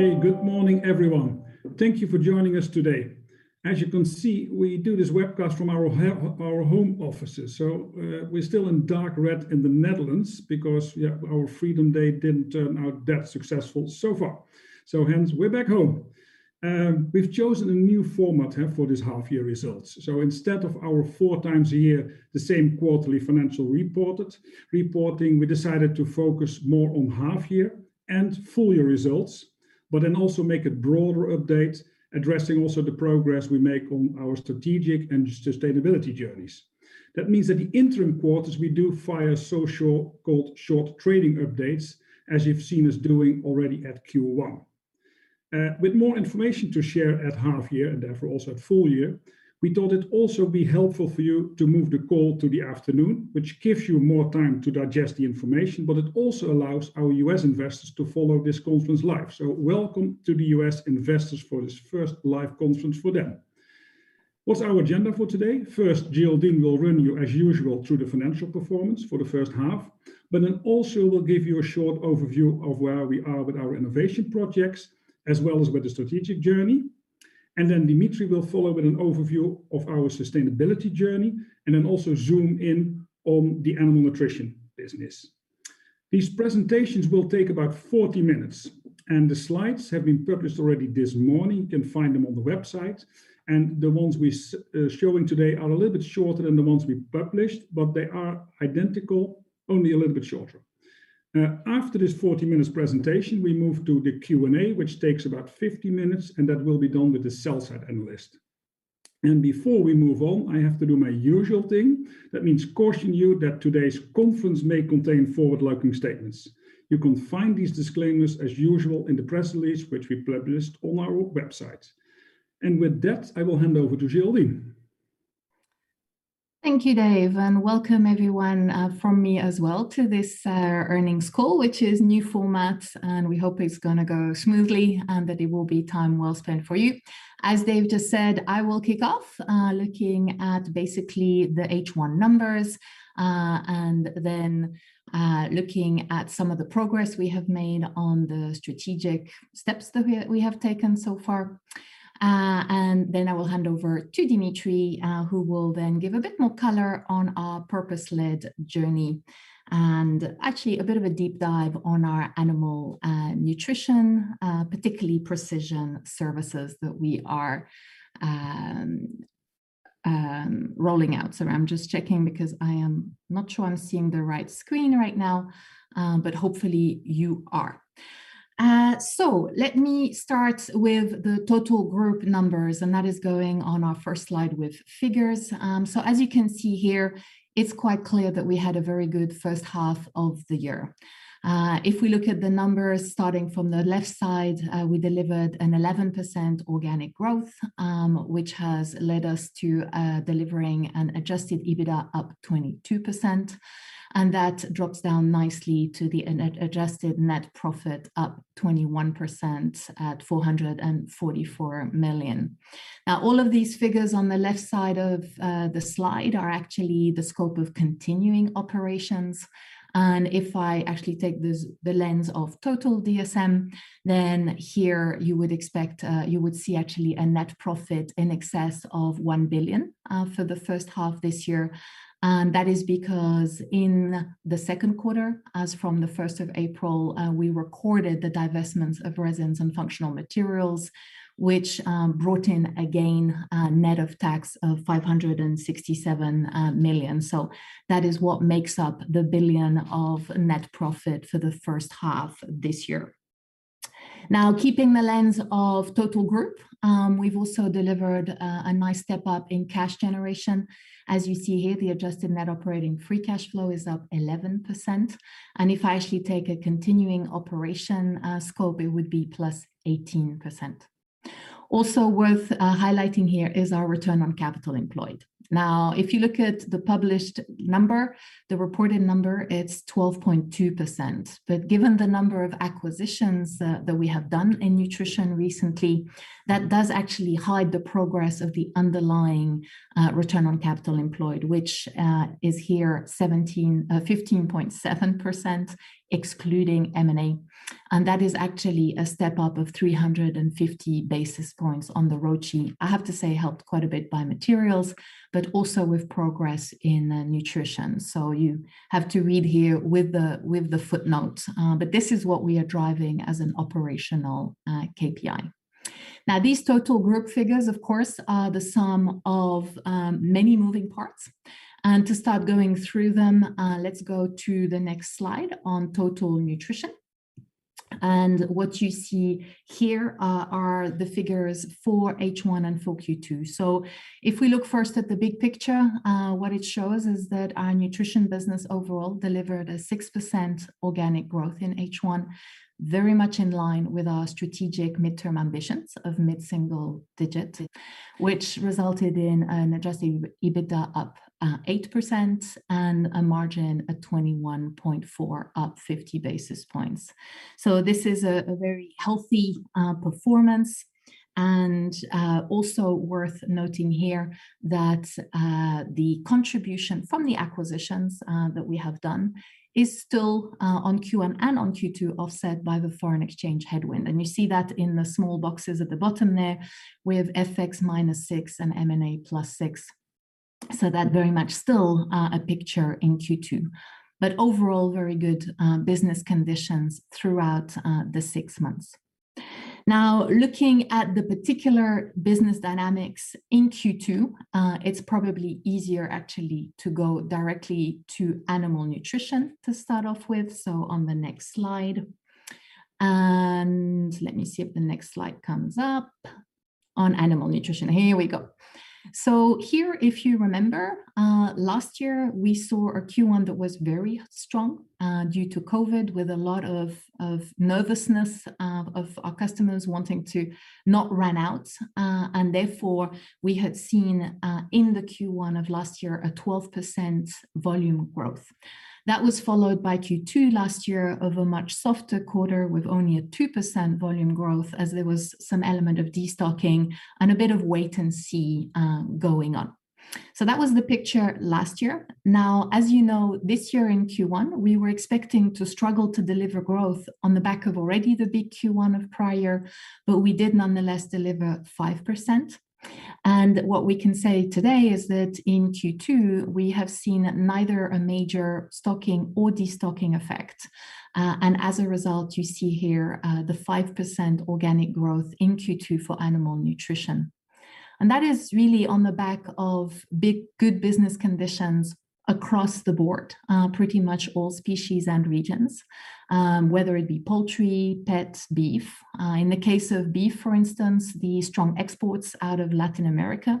Hi, good morning, everyone. Thank you for joining us today. As you can see, we do this webcast from our home offices. We're still in dark red in the Netherlands because our freedom day didn't turn out that successful so far. Hence, we're back home. We've chosen a new format here for these half-year results. Instead of our four times a year, the same quarterly financial reporting, we decided to focus more on half-year and full-year results, but then also make a broader update addressing also the progress we make on our strategic and sustainability journeys. That means that the interim quarters, we do file so-called short trading updates, as you've seen us doing already at Q1. With more information to share at half year, and therefore also full year, we thought it would also be helpful for you to move the call to the afternoon, which gives you more time to digest the information. It also allows our U.S. investors to follow this conference live. Welcome to the U.S. investors for this first live conference for them. What is our agenda for today? First, Geraldine will run you, as usual, through the financial performance for the first half, but then also will give you a short overview of where we are with our innovation projects, as well as with the strategic journey. Dimitri will follow with an overview of our sustainability journey, and then also zoom in on the animal nutrition business. These presentations will take about 40 minutes. The slides have been published already this morning. You can find them on the website. The ones we're showing today are a little bit shorter than the ones we published, but they are identical, only a little bit shorter. After this 40 minutes presentation, we move to the Q&A, which takes about 50 minutes, and that will be done with the sell-side analyst. Before we move on, I have to do my usual thing. That means caution you that today's conference may contain forward-looking statements. You can find these disclaimers as usual in the press release, which we published on our website. With that, I will hand over to Geraldine. Thank you, Dave, and welcome everyone from me as well to this earnings call, which is new format. We hope it's going to go smoothly, that it will be time well spent for you. As Dave just said, I will kick off looking at basically the H1 numbers, then looking at some of the progress we have made on the strategic steps that we have taken so far. I will hand over to Dimitri, who will then give a bit more color on our purpose-led journey and actually a bit of a deep dive on our animal nutrition, particularly precision services that we are rolling out. Sorry, I'm just checking because I am not sure I'm seeing the right screen right now. Hopefully, you are. Let me start with the total group numbers, and that is going on our first slide with figures. As you can see here, it is quite clear that we had a very good first half of the year. If we look at the numbers starting from the left side, we delivered an 11% organic growth, which has led us to delivering an adjusted EBITDA up 22%. That drops down nicely to the adjusted net profit up 21% at 444 million. All of these figures on the left side of the slide are actually the scope of continuing operations. If I actually take the lens of total DSM, here you would see actually a net profit in excess of 1 billion for the first half this year. That is because in the second quarter, as from the 1st of April, we recorded the divestments of Resins & Functional Materials, which brought in a gain net of tax of 567 million. That is what makes up the 1 billion of net profit for the first half this year. Keeping the lens of total group, we've also delivered a nice step-up in cash generation. As you see here, the adjusted net operating free cash flow is up 11%. If I actually take a continuing operation scope, it would be +18%. Also worth highlighting here is our return on capital employed. If you look at the published number, the reported number, it's 12.2%. Given the number of acquisitions that we have done in nutrition recently, that does actually hide the progress of the underlying return on capital employed, which is here 15.7%, excluding M&A. That is actually a step up of 350 basis points on the ROCE. I have to say, helped quite a bit by materials, but also with progress in nutrition. You have to read here with the footnote. This is what we are driving as an operational KPI. To start going through them, let's go to the next slide on total nutrition. What you see here are the figures for H1 and for Q2. If we look first at the big picture, what it shows is that our nutrition business overall delivered a 6% organic growth in H1, very much in line with our strategic midterm ambitions of mid-single digits, which resulted in an adjusted EBITDA up 8% and a margin at 21.4%, up 50 basis points. This is a very healthy performance. Also worth noting here that the contribution from the acquisitions that we have done is still on Q1 and on Q2, offset by the foreign exchange headwind. You see that in the small boxes at the bottom there with FX -6 and M&A +6. That very much still a picture in Q2. Overall, very good business conditions throughout the six months. Looking at the particular business dynamics in Q2, it is probably easier actually to go directly to animal nutrition to start off with, on the next slide. Let me see if the next slide comes up on animal nutrition. Here we go. Here, if you remember, last year we saw a Q1 that was very strong due to COVID, with a lot of nervousness of our customers wanting to not run out. Therefore, we had seen, in the Q1 of last year, a 12% volume growth. That was followed by Q2 last year of a much softer quarter with only a 2% volume growth, as there was some element of destocking and a bit of wait and see going on. That was the picture last year. As you know, this year in Q1, we were expecting to struggle to deliver growth on the back of already the big Q1 of prior, but we did nonetheless deliver 5%. What we can say today is that in Q2, we have seen neither a major stocking or destocking effect. As a result, you see here the 5% organic growth in Q2 for animal nutrition. That is really on the back of big, good business conditions across the board. Pretty much all species and regions, whether it be poultry, pets, beef. In the case of beef, for instance, the strong exports out of Latin America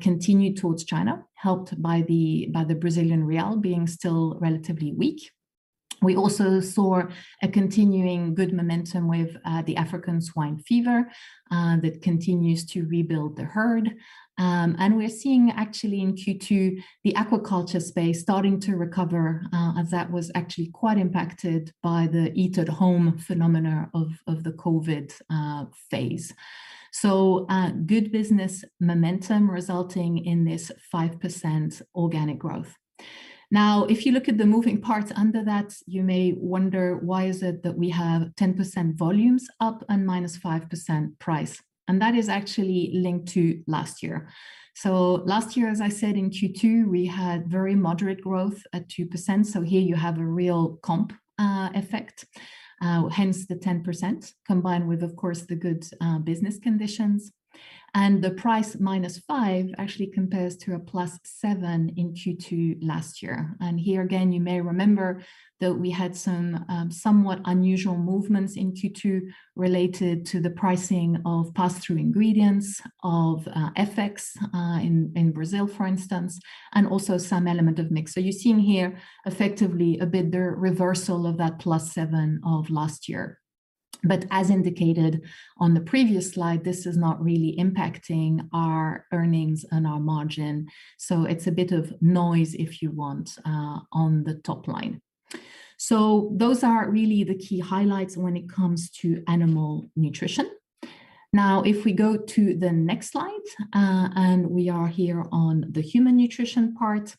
continue towards China, helped by the Brazilian real being still relatively weak. We also saw a continuing good momentum with the African swine fever that continues to rebuild the herd. We're seeing actually in Q2, the aquaculture space starting to recover, as that was actually quite impacted by the eat at home phenomena of the COVID phase. Good business momentum resulting in this 5% organic growth. Now, if you look at the moving parts under that, you may wonder why is it that we have 10% volumes up and -5% price, and that is actually linked to last year. Last year, as I said, in Q2, we had very moderate growth at 2%, so here you have a real comp effect. Hence the 10%, combined with, of course, the good business conditions. The price -5 actually compares to a +7 in Q2 last year. Here again, you may remember that we had some somewhat unusual movements in Q2 related to the pricing of pass-through ingredients, of FX in Brazil, for instance, and also some element of mix. You're seeing here effectively a bit the reversal of that +7 of last year. As indicated on the previous slide, this is not really impacting our earnings and our margin. It's a bit of noise, if you want, on the top line. Those are really the key highlights when it comes to animal nutrition. If we go to the next slide, and we are here on the human nutrition part.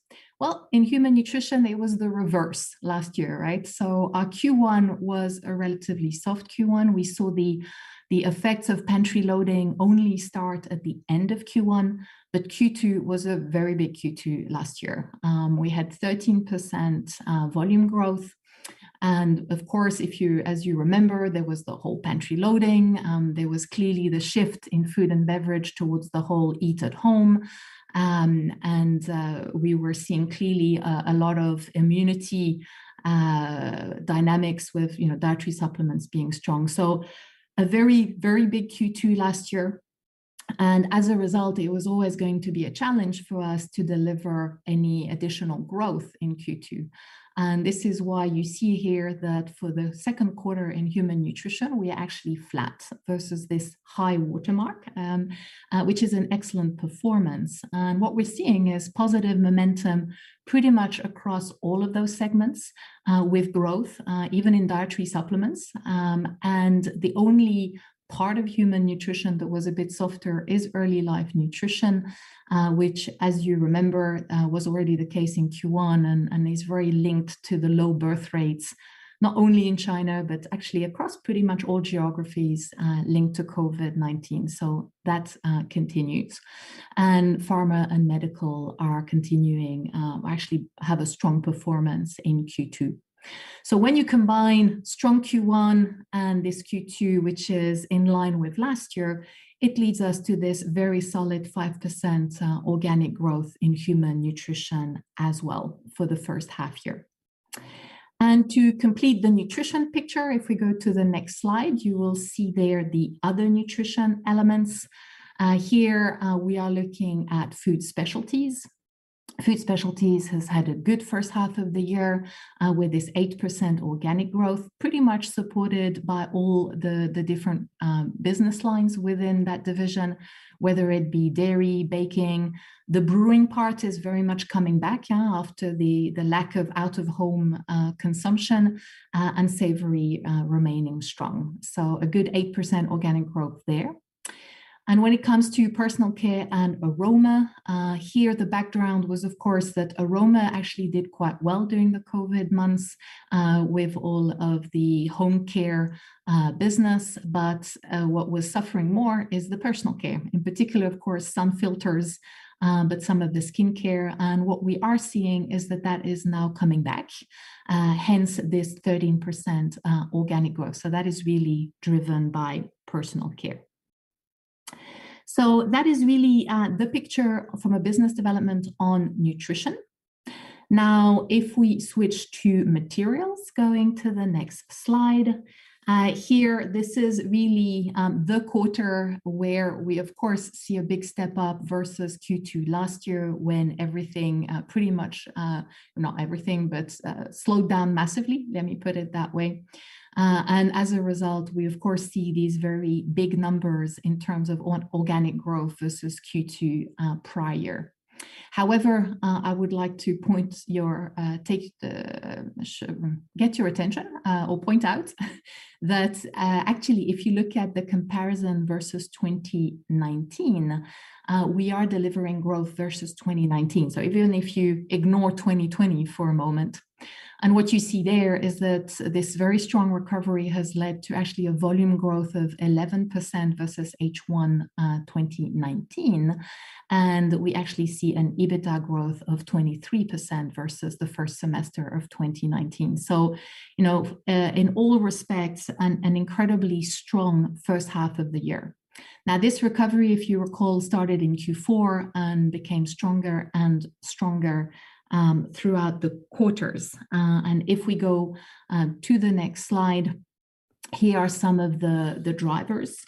In human nutrition, it was the reverse last year, right? Our Q1 was a relatively soft Q1. We saw the effects of pantry loading only start at the end of Q1. Q2 was a very big Q2 last year. We had 13% volume growth. Of course, as you remember, there was the whole pantry loading. There was clearly the shift in food and beverage towards the whole eat at home. We were seeing clearly a lot of immunity dynamics with dietary supplements being strong. A very big Q2 last year. As a result, it was always going to be a challenge for us to deliver any additional growth in Q2. This is why you see here that for the second quarter in human nutrition, we are actually flat versus this high watermark, which is an excellent performance. What we're seeing is positive momentum pretty much across all of those segments, with growth even in dietary supplements. The only part of human nutrition that was a bit softer is early life nutrition, which, as you remember, was already the case in Q1 and is very linked to the low birth rates, not only in China but actually across pretty much all geographies linked to COVID-19. That's continued. Pharma and medical are continuing, actually have a strong performance in Q2. When you combine strong Q1 and this Q2, which is in line with last year, it leads us to this very solid 5% organic growth in human nutrition as well for the first half year. To complete the nutrition picture, if we go to the next slide, you will see there the other nutrition elements. Here we are looking at food specialties. Food Specialties has had a good first half of the year with this 8% organic growth, pretty much supported by all the different business lines within that division, whether it be dairy, baking. The brewing part is very much coming back after the lack of out-of-home consumption, and savory remaining strong. A good 8% organic growth there. When it comes to Personal Care & Aroma, here the background was, of course, that aroma actually did quite well during the COVID months with all of the home care business. What was suffering more is the Personal Care. In particular, of course, some filters, but some of the skincare, and what we are seeing is that that is now coming back, hence this 13% organic growth. That is really driven by Personal Care. That is really the picture from a business development on Nutrition. If we switch to materials, going to the next slide. Here, this is really the quarter where we, of course, see a big step up versus Q2 last year, when everything pretty much, not everything, but slowed down massively. Let me put it that way. As a result, we of course, see these very big numbers in terms of on organic growth versus Q2 prior. However, I would like to get your attention or point out that actually, if you look at the comparison versus 2019, we are delivering growth versus 2019. Even if you ignore 2020 for a moment, and what you see there is that this very strong recovery has led to actually a volume growth of 11% versus H1 2019, and we actually see an EBITDA growth of 23% versus the first semester of 2019. In all respects, an incredibly strong first half of the year. This recovery, if you recall, started in Q4 and became stronger and stronger throughout the quarters. If we go to the next slide, here are some of the drivers.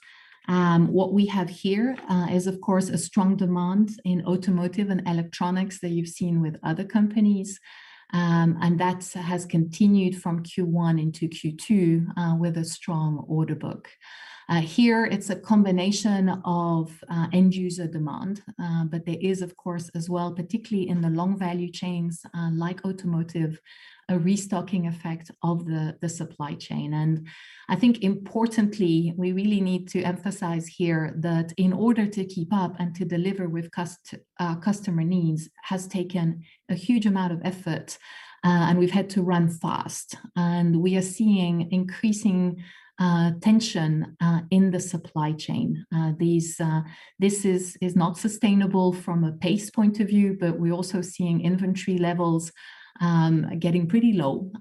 What we have here is, of course, a strong demand in automotive and electronics that you've seen with other companies. That has continued from Q1 into Q2 with a strong order book. Here it's a combination of end user demand, but there is, of course, as well, particularly in the long value chains like automotive, a restocking effect of the supply chain. I think importantly, we really need to emphasize here that in order to keep up and to deliver with customer needs, has taken a huge amount of effort, and we've had to run fast. We are seeing increasing tension in the supply chain. This is not sustainable from a pace point of view, but we are also seeing inventory levels getting pretty low.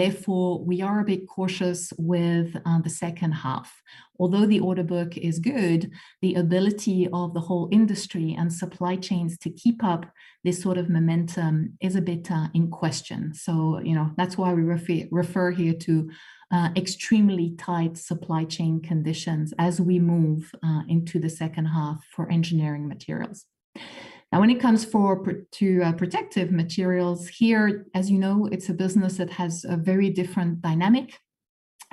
Therefore, we are a bit cautious with the second half. The order book is good, the ability of the whole industry and supply chains to keep up this sort of momentum is a bit in question. That is why we refer here to extremely tight supply chain conditions as we move into the second half for engineering materials. When it comes to protective materials, here, as you know, it is a business that has a very different dynamic,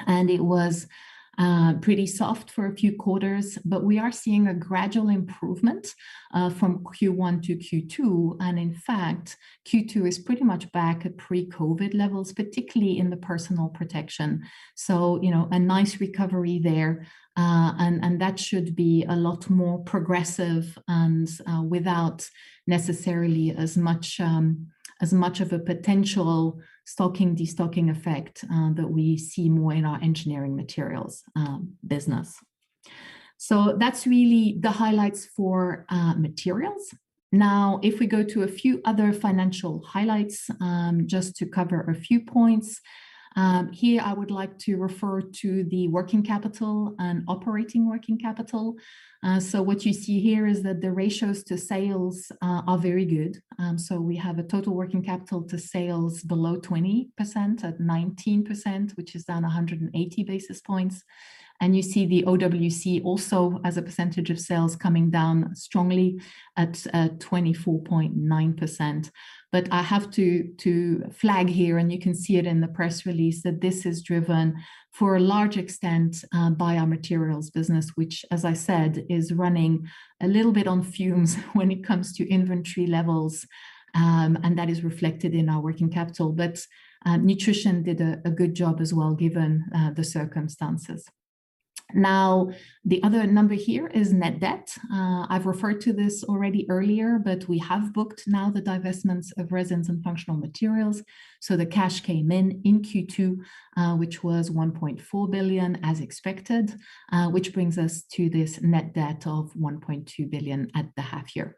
and it was pretty soft for a few quarters, but we are seeing a gradual improvement from Q1 to Q2. In fact, Q2 is pretty much back at pre-COVID levels, particularly in the personal protection. A nice recovery there. That should be a lot more progressive and without necessarily as much of a potential stocking, de-stocking effect that we see more in our engineering materials business. That's really the highlights for materials. If we go to a few other financial highlights, just to cover a few points. Here I would like to refer to the working capital and operating working capital. What you see here is that the ratios to sales are very good. We have a total working capital to sales below 20% at 19%, which is down 180 basis points. You see the OWC also as a percentage of sales coming down strongly at 24.9%. I have to flag here, and you can see it in the press release, that this is driven for a large extent by our materials business, which as I said, is running a little bit on fumes when it comes to inventory levels, and that is reflected in our working capital. Nutrition did a good job as well given the circumstances. Now, the other number here is net debt. I've referred to this already earlier, but we have booked now the divestments of Resins & Functional Materials. The cash came in in Q2, which was 1.4 billion as expected, which brings us to this net debt of 1.2 billion at the half year.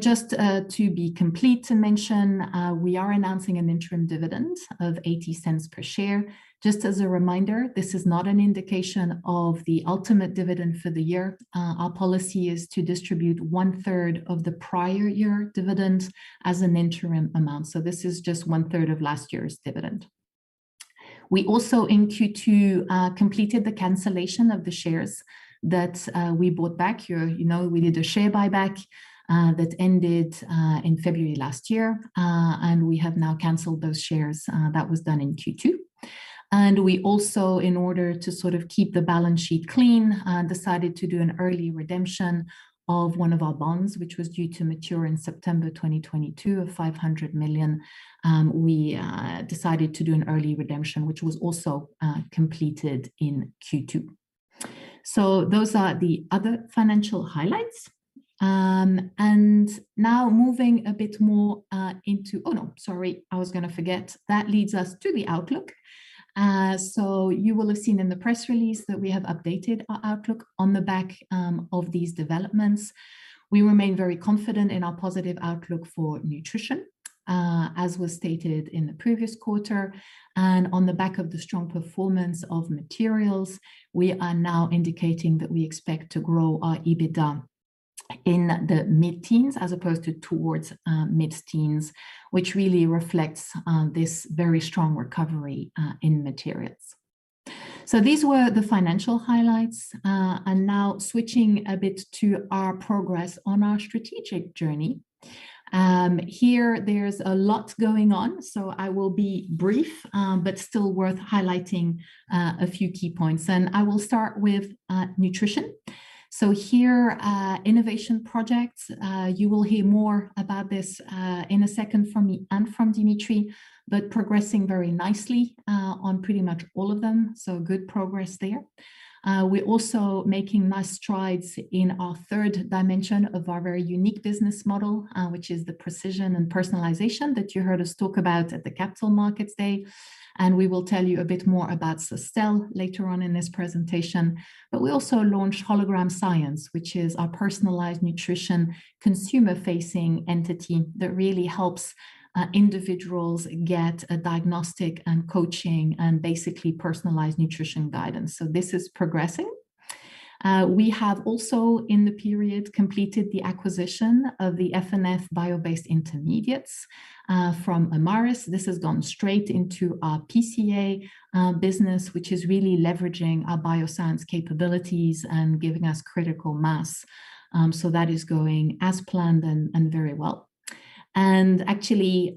Just to be complete to mention, we are announcing an interim dividend of 0.80 per share. Just as a reminder, this is not an indication of the ultimate dividend for the year. Our policy is to distribute one third of the prior year dividend as an interim amount. This is just one third of last year's dividend. We also in Q2 completed the cancellation of the shares that we bought back. You know, we did a share buyback that ended in February last year. We have now canceled those shares. That was done in Q2. We also, in order to sort of keep the balance sheet clean, decided to do an early redemption of one of our bonds, which was due to mature in September 2022 of 500 million. We decided to do an early redemption, which was also completed in Q2. Those are the other financial highlights. Now moving a bit more into Oh, no. Sorry, I was going to forget. That leads us to the outlook. You will have seen in the press release that we have updated our outlook on the back of these developments. We remain very confident in our positive outlook for nutrition, as was stated in the previous quarter. On the back of the strong performance of materials, we are now indicating that we expect to grow our EBITDA in the mid-teens as opposed to towards mid-teens, which really reflects this very strong recovery in materials. These were the financial highlights, and now switching a bit to our progress on our strategic journey. Here, there's a lot going on, so I will be brief, but still worth highlighting a few key points. I will start with nutrition. Here, innovation projects. You will hear more about this in a second from me and from Dimitri, but progressing very nicely on pretty much all of them. Good progress there. We're also making nice strides in our third dimension of our very unique business model, which is the precision and personalization that you heard us talk about at the Capital Markets Day, and we will tell you a bit more about Sustell later on in this presentation. We also launched Hologram Sciences, which is our personalized nutrition consumer-facing entity that really helps individuals get a diagnostic and coaching, and basically personalized nutrition guidance. This is progressing. We have also, in the period, completed the acquisition of the F&F Biobased Intermediates from Amyris. This has gone straight into our PC&A business, which is really leveraging our bioscience capabilities and giving us critical mass. That is going as planned and very well. Actually,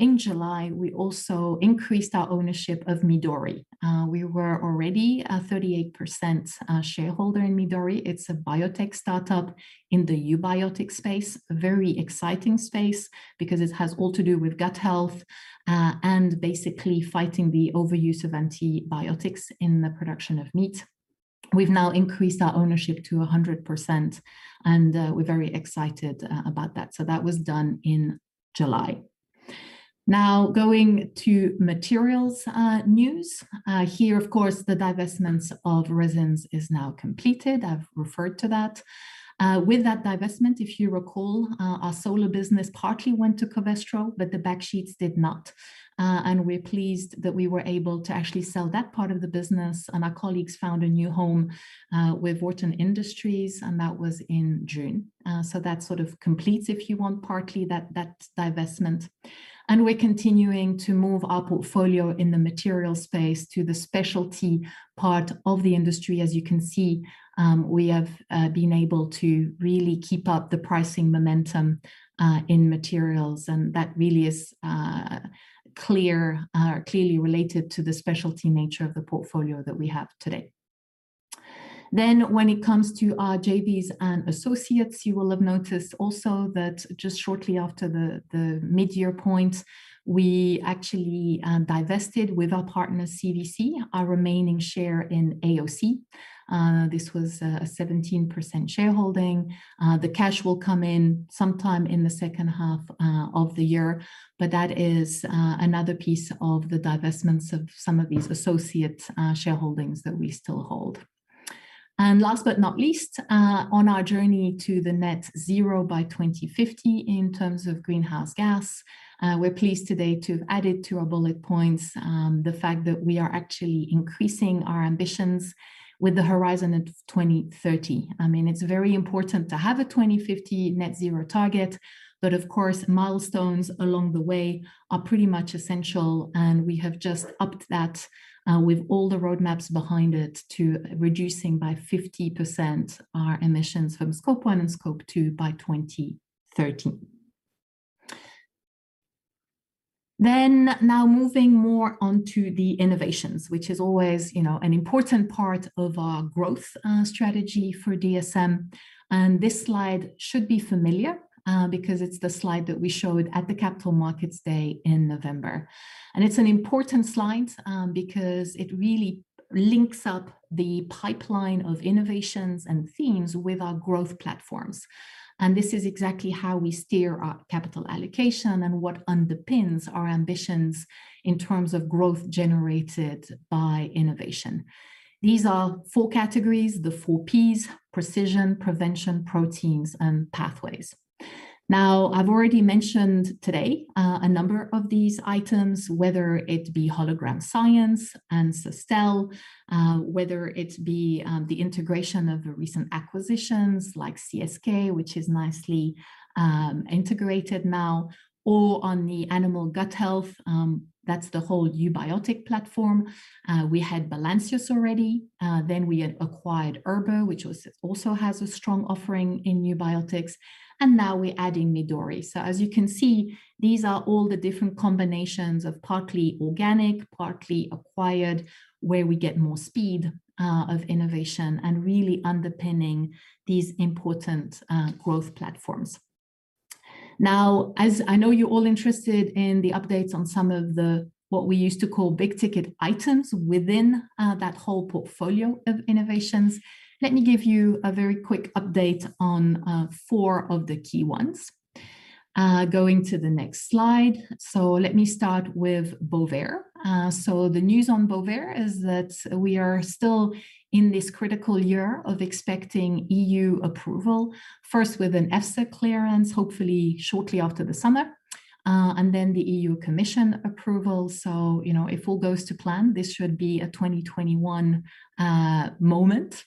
in July, we also increased our ownership of Midori. We were already a 38% shareholder in Midori. It's a biotech startup in the eubiotic space. A very exciting space because it has all to do with gut health, and basically fighting the overuse of antibiotics in the production of meat. We've now increased our ownership to 100%, and we're very excited about that. That was done in July. Going to materials news. Here, of course, the divestments of Resins is now completed. I've referred to that. With that divestment, if you recall, our solar business partly went to Covestro, but the backsheets did not. We're pleased that we were able to actually sell that part of the business, and our colleagues found a new home with Worthen Industries, and that was in June. That sort of completes, if you want, partly that divestment. We're continuing to move our portfolio in the material space to the specialty part of the industry. As you can see, we have been able to really keep up the pricing momentum in materials. That really is clearly related to the specialty nature of the portfolio that we have today. When it comes to our JVs and associates, you will have noticed also that just shortly after the mid-year point, we actually divested with our partner CVC, our remaining share in AOC. This was a 17% shareholding. The cash will come in sometime in the second half of the year. That is another piece of the divestments of some of these associate shareholdings that we still hold. Last but not least, on our journey to the net zero by 2050 in terms of greenhouse gas, we are pleased today to have added to our bullet points the fact that we are actually increasing our ambitions with the horizon at 2030. It's very important to have a 2050 net zero target, but of course, milestones along the way are pretty much essential, and we have just upped that with all the roadmaps behind it to reducing by 50% our emissions from Scope 1 and Scope 2 by 2030. Now moving more onto the innovations, which is always an important part of our growth strategy for DSM. This slide should be familiar, because it's the slide that we showed at the Capital Markets Day in November. It's an important slide, because it really links up the pipeline of innovations and themes with our growth platforms. This is exactly how we steer our capital allocation and what underpins our ambitions in terms of growth generated by innovation. These are four categories, the four Ps, precision, prevention, proteins, and pathways. I've already mentioned today a number of these items, whether it be Hologram Sciences and Sustell, whether it be the integration of the recent acquisitions like CSK, which is nicely integrated now, or on the animal gut health. That's the whole eubiotic platform. We had Balancius already. We had acquired Erber, which also has a strong offering in eubiotics, and now we're adding Midori. As you can see, these are all the different combinations of partly organic, partly acquired, where we get more speed of innovation, and really underpinning these important growth platforms. As I know you're all interested in the updates on some of the, what we used to call big-ticket items within that whole portfolio of innovations, let me give you a very quick update on four of the key ones. Going to the next slide. Let me start with Bovaer. The news on Bovaer is that we are still in this critical year of expecting EU approval, first with an EFSA clearance, hopefully shortly after the summer, and then the EU Commission approval. If all goes to plan, this should be a 2021 moment.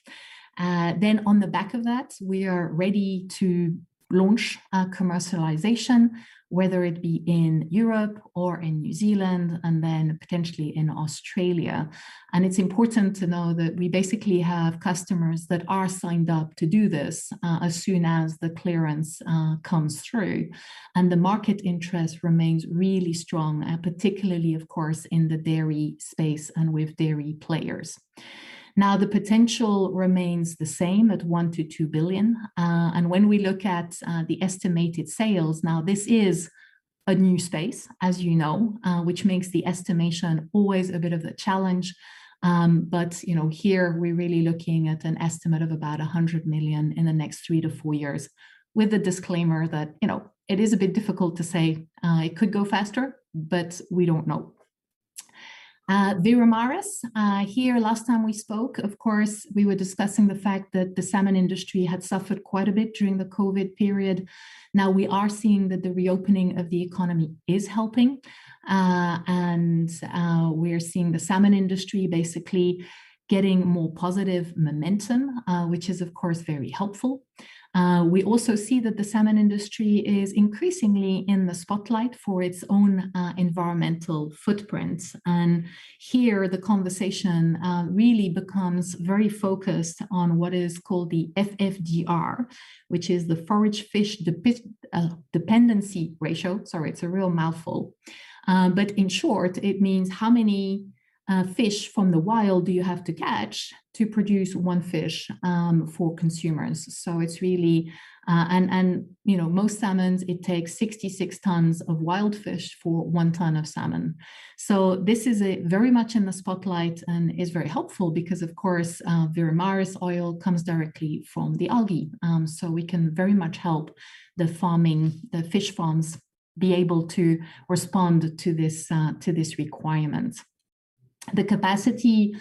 On the back of that, we are ready to launch commercialization, whether it be in Europe or in New Zealand, and then potentially in Australia. It's important to know that we basically have customers that are signed up to do this, as soon as the clearance comes through. The market interest remains really strong, particularly, of course, in the dairy space and with dairy players. The potential remains the same at $1 billion-$2 billion. When we look at the estimated sales, now this is a new space, as you know, which makes the estimation always a bit of a challenge. Here we're really looking at an estimate of about $100 million in the next 3-4 years with a disclaimer that it is a bit difficult to say. It could go faster, but we don't know. Veramaris. Here, last time we spoke, of course, we were discussing the fact that the salmon industry had suffered quite a bit during the COVID period. We are seeing that the reopening of the economy is helping. We're seeing the salmon industry basically getting more positive momentum, which is of course very helpful. We also see that the salmon industry is increasingly in the spotlight for its own environmental footprint. Here the conversation really becomes very focused on what is called the FFDR, which is the forage fish dependency ratio. Sorry, it's a real mouthful. In short, it means how many fish from the wild do you have to catch to produce 1 fish for consumers. It's really. Most salmons, it takes 66 tons of wild fish for 1 ton of salmon. This is very much in the spotlight and is very helpful because, of course, Veramaris oil comes directly from the algae. We can very much help the fish farms be able to respond to this requirement. The capacity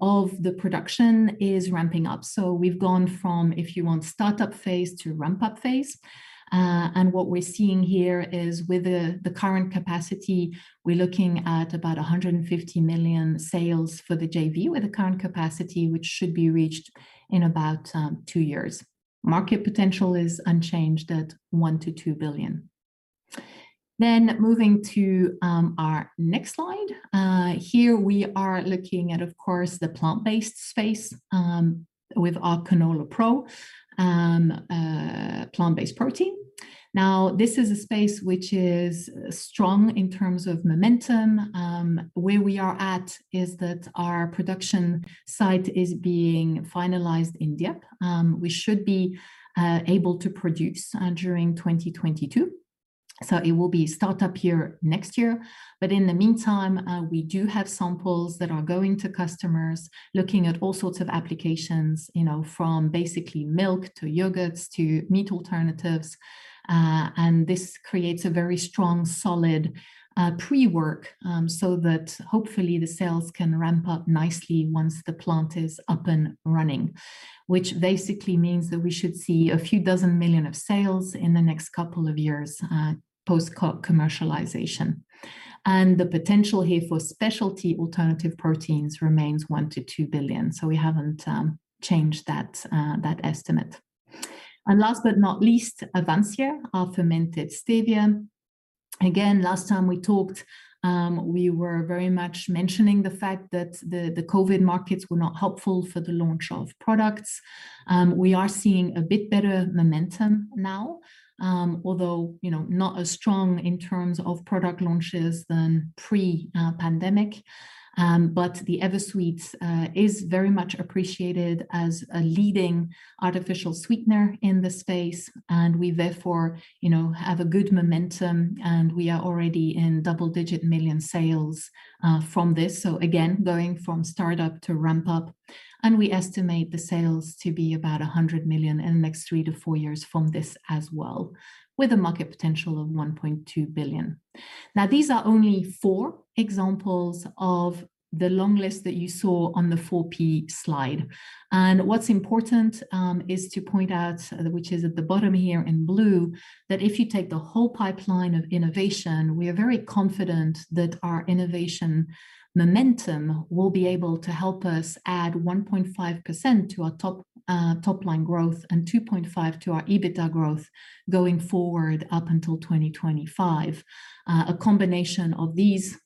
of the production is ramping up. We've gone from, if you want, startup phase to ramp-up phase. What we're seeing here is with the current capacity, we are looking at about 150 million sales for the JV with the current capacity, which should be reached in about two years. Market potential is unchanged at $1 billion-$2 billion. Moving to our next slide. Here we are looking at, of course, the plant-based space with our CanolaPRO plant-based protein. This is a space which is strong in terms of momentum. Where we are at is that our production site is being finalized in Dieppe. We should be able to produce during 2022. It will be start-up year next year. In the meantime, we do have samples that are going to customers, looking at all sorts of applications, from basically milk to yogurts, to meat alternatives. This creates a very strong, solid pre-work, so that hopefully the sales can ramp up nicely once the plant is up and running. Which basically means that we should see a few dozen million of sales in the next couple of years post commercialization. The potential here for specialty alternative proteins remains $1 billion-$2 billion, so we haven't changed that estimate. Last but not least, Avansya, our fermented stevia. Again, last time we talked, we were very much mentioning the fact that the COVID markets were not helpful for the launch of products. We are seeing a bit better momentum now. Although not as strong in terms of product launches than pre-pandemic. The EverSweet is very much appreciated as a leading artificial sweetener in this space, and we therefore have a good momentum, and we are already in double-digit million sales from this. Again, going from start-up to ramp-up. We estimate the sales to be about $100 million in the next 3-4 years from this as well, with a market potential of $1.2 billion. These are only four examples of the long list that you saw on the 4 P slide. What's important is to point out, which is at the bottom here in blue, that if you take the whole pipeline of innovation, we are very confident that our innovation momentum will be able to help us add 1.5% to our top line growth and 2.5% to our EBITDA growth going forward up until 2025. A combination of these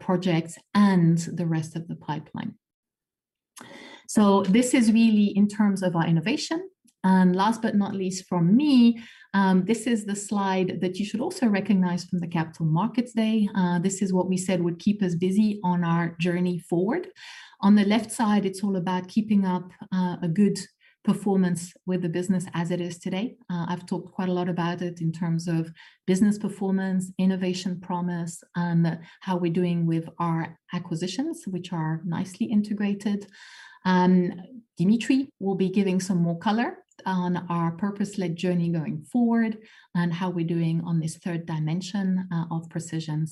projects and the rest of the pipeline. This is really in terms of our innovation. Last but not least from me, this is the slide that you should also recognize from the Capital Markets Day. This is what we said would keep us busy on our journey forward. On the left side, it's all about keeping up a good performance with the business as it is today. I've talked quite a lot about it in terms of business performance, innovation promise, and how we're doing with our acquisitions, which are nicely integrated. Dimitri will be giving some more color on our purpose-led journey going forward, and how we're doing on this third dimension of precision.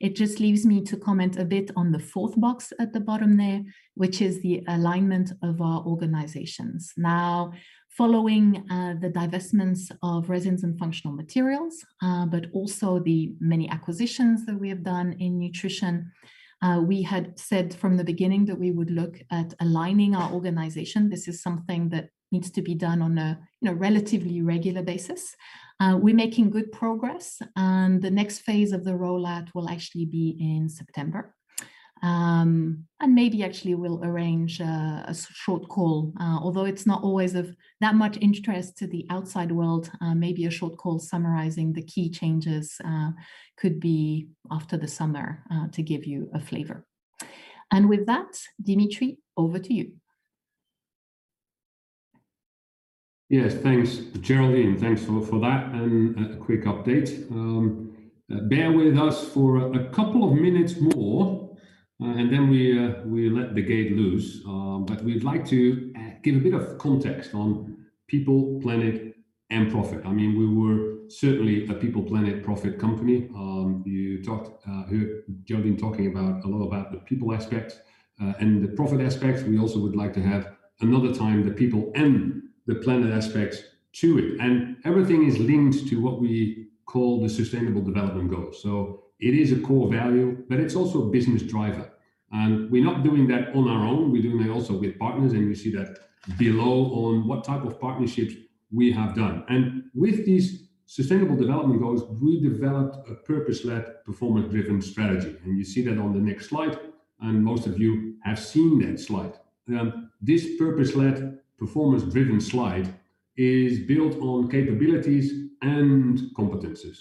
It just leaves me to comment a bit on the fourth box at the bottom there, which is the alignment of our organizations. Now, following the divestments of Resins & Functional Materials, but also the many acquisitions that we have done in Nutrition, we had said from the beginning that we would look at aligning our organization. This is something that needs to be done on a relatively regular basis. We're making good progress. The next phase of the rollout will actually be in September. Maybe actually we'll arrange a short call. Although it's not always of that much interest to the outside world, maybe a short call summarizing the key changes could be after the summer to give you a flavor. With that, Dimitri, over to you. Yes, thanks, Geraldine. Thanks for that and a quick update. Bear with us for a couple minutes more. We let the gate loose. We'd like to give a bit of context on people, planet, and profit. We were certainly a people, planet, profit company. You heard Geraldine talking a lot about the people aspect. The profit aspect, we also would like to have another time the people and the planet aspects to it. Everything is linked to what we call the sustainable development goals. It is a core value. It's also a business driver. We're not doing that on our own. We're doing it also with partners. You see that below on what type of partnerships we have done. With these sustainable development goals, we developed a purpose-led, performance-driven strategy. You see that on the next slide, and most of you have seen that slide. This purpose-led, performance-driven slide is built on capabilities and competencies.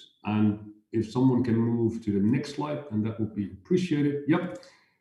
If someone can move to the next slide, and that would be appreciated. Yep.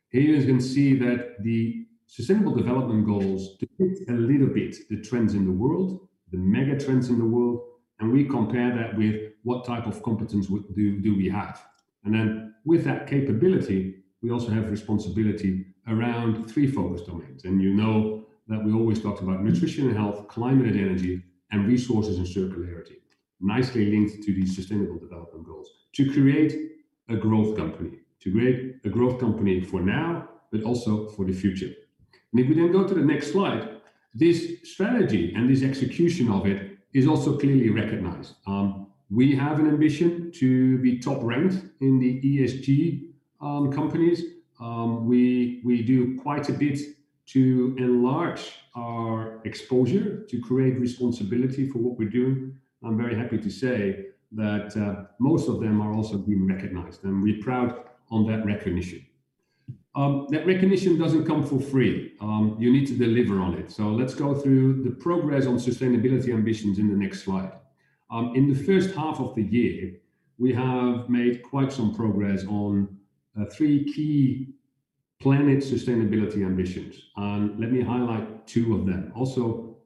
Here you can see that the Sustainable Development Goals depict a little bit the trends in the world, the mega trends in the world, and we compare that with what type of competence do we have. Then with that capability, we also have responsibility around three focus domains. You know that we always talked about nutrition and health, climate and energy, and resources and circularity, nicely linked to these Sustainable Development Goals to create a growth company. To create a growth company for now, but also for the future. If we then go to the next slide, this strategy and this execution of it is also clearly recognized. We have an ambition to be top ranked in the ESG companies. We do quite a bit to enlarge our exposure to create responsibility for what we're doing. I'm very happy to say that most of them are also being recognized, and we're proud on that recognition. That recognition doesn't come for free. You need to deliver on it. Let's go through the progress on sustainability ambitions in the next slide. In the first half of the year, we have made quite some progress on three key planet sustainability ambitions. Let me highlight two of them,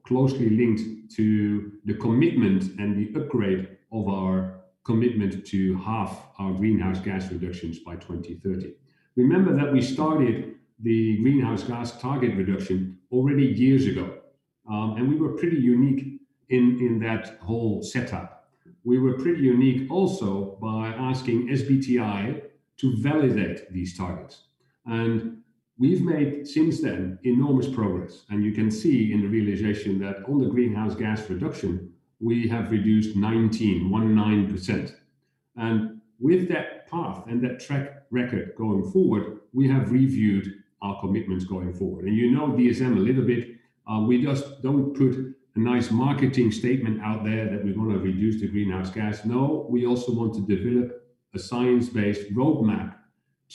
also closely linked to the commitment and the upgrade of our commitment to half our greenhouse gas reductions by 2030. Remember that we started the greenhouse gas target reduction already years ago. We were pretty unique in that whole setup. We were pretty unique also by asking SBTi to validate these targets. We've made, since then, enormous progress. You can see in the visualization that on the greenhouse gas reduction, we have reduced 19%. With that path and that track record going forward, we have reviewed our commitments going forward. You know DSM a little bit. We just don't put a nice marketing statement out there that we're going to reduce the greenhouse gas. No, we also want to develop a science-based roadmap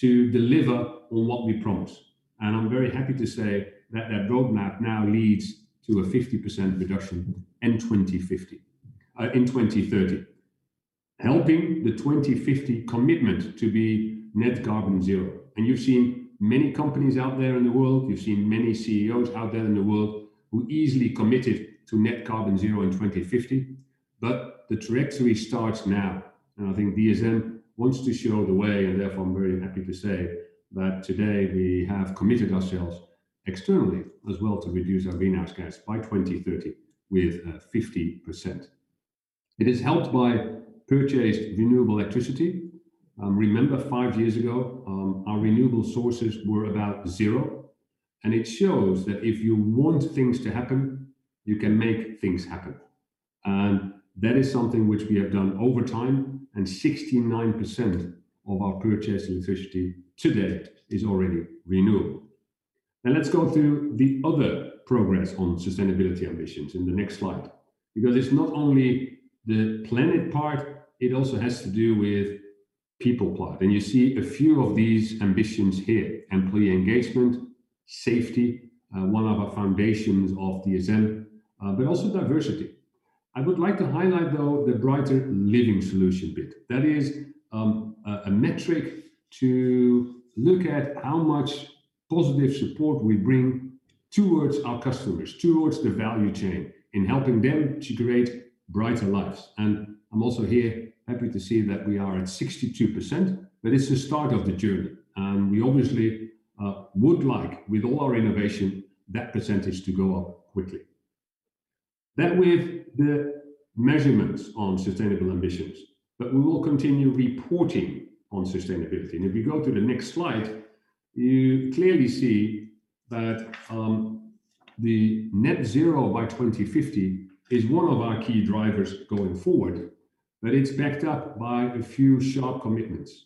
to deliver on what we promise. I'm very happy to say that that roadmap now leads to a 50% reduction in 2030, helping the 2050 commitment to be net carbon zero. You've seen many companies out there in the world, you've seen many CEOs out there in the world who easily committed to net carbon zero in 2050, but the trajectory starts now. I think DSM wants to show the way, and therefore, I'm very happy to say that today we have committed ourselves externally as well to reduce our greenhouse gas by 2030 with 50%. It is helped by purchased renewable electricity. Remember five years ago, our renewable sources were about zero. It shows that if you want things to happen, you can make things happen. That is something which we have done over time, and 69% of our purchased electricity today is already renewable. Let's go through the other progress on sustainability ambitions in the next slide, because it's not only the planet part, it also has to do with People part. You see a few of these ambitions here, employee engagement, safety, one of our foundations of DSM, but also diversity. I would like to highlight, though, the brighter living solution bit. That is a metric to look at how much positive support we bring towards our customers, towards the value chain in helping them to create brighter lives. I'm also here happy to see that we are at 62%, but it's the start of the journey. We obviously would like, with all our innovation, that percentage to go up quickly. That with the measurements on sustainable ambitions. We will continue reporting on sustainability. If you go to the next slide, you clearly see that the Net Zero by 2050 is one of our key drivers going forward, but it's backed up by a few sharp commitments.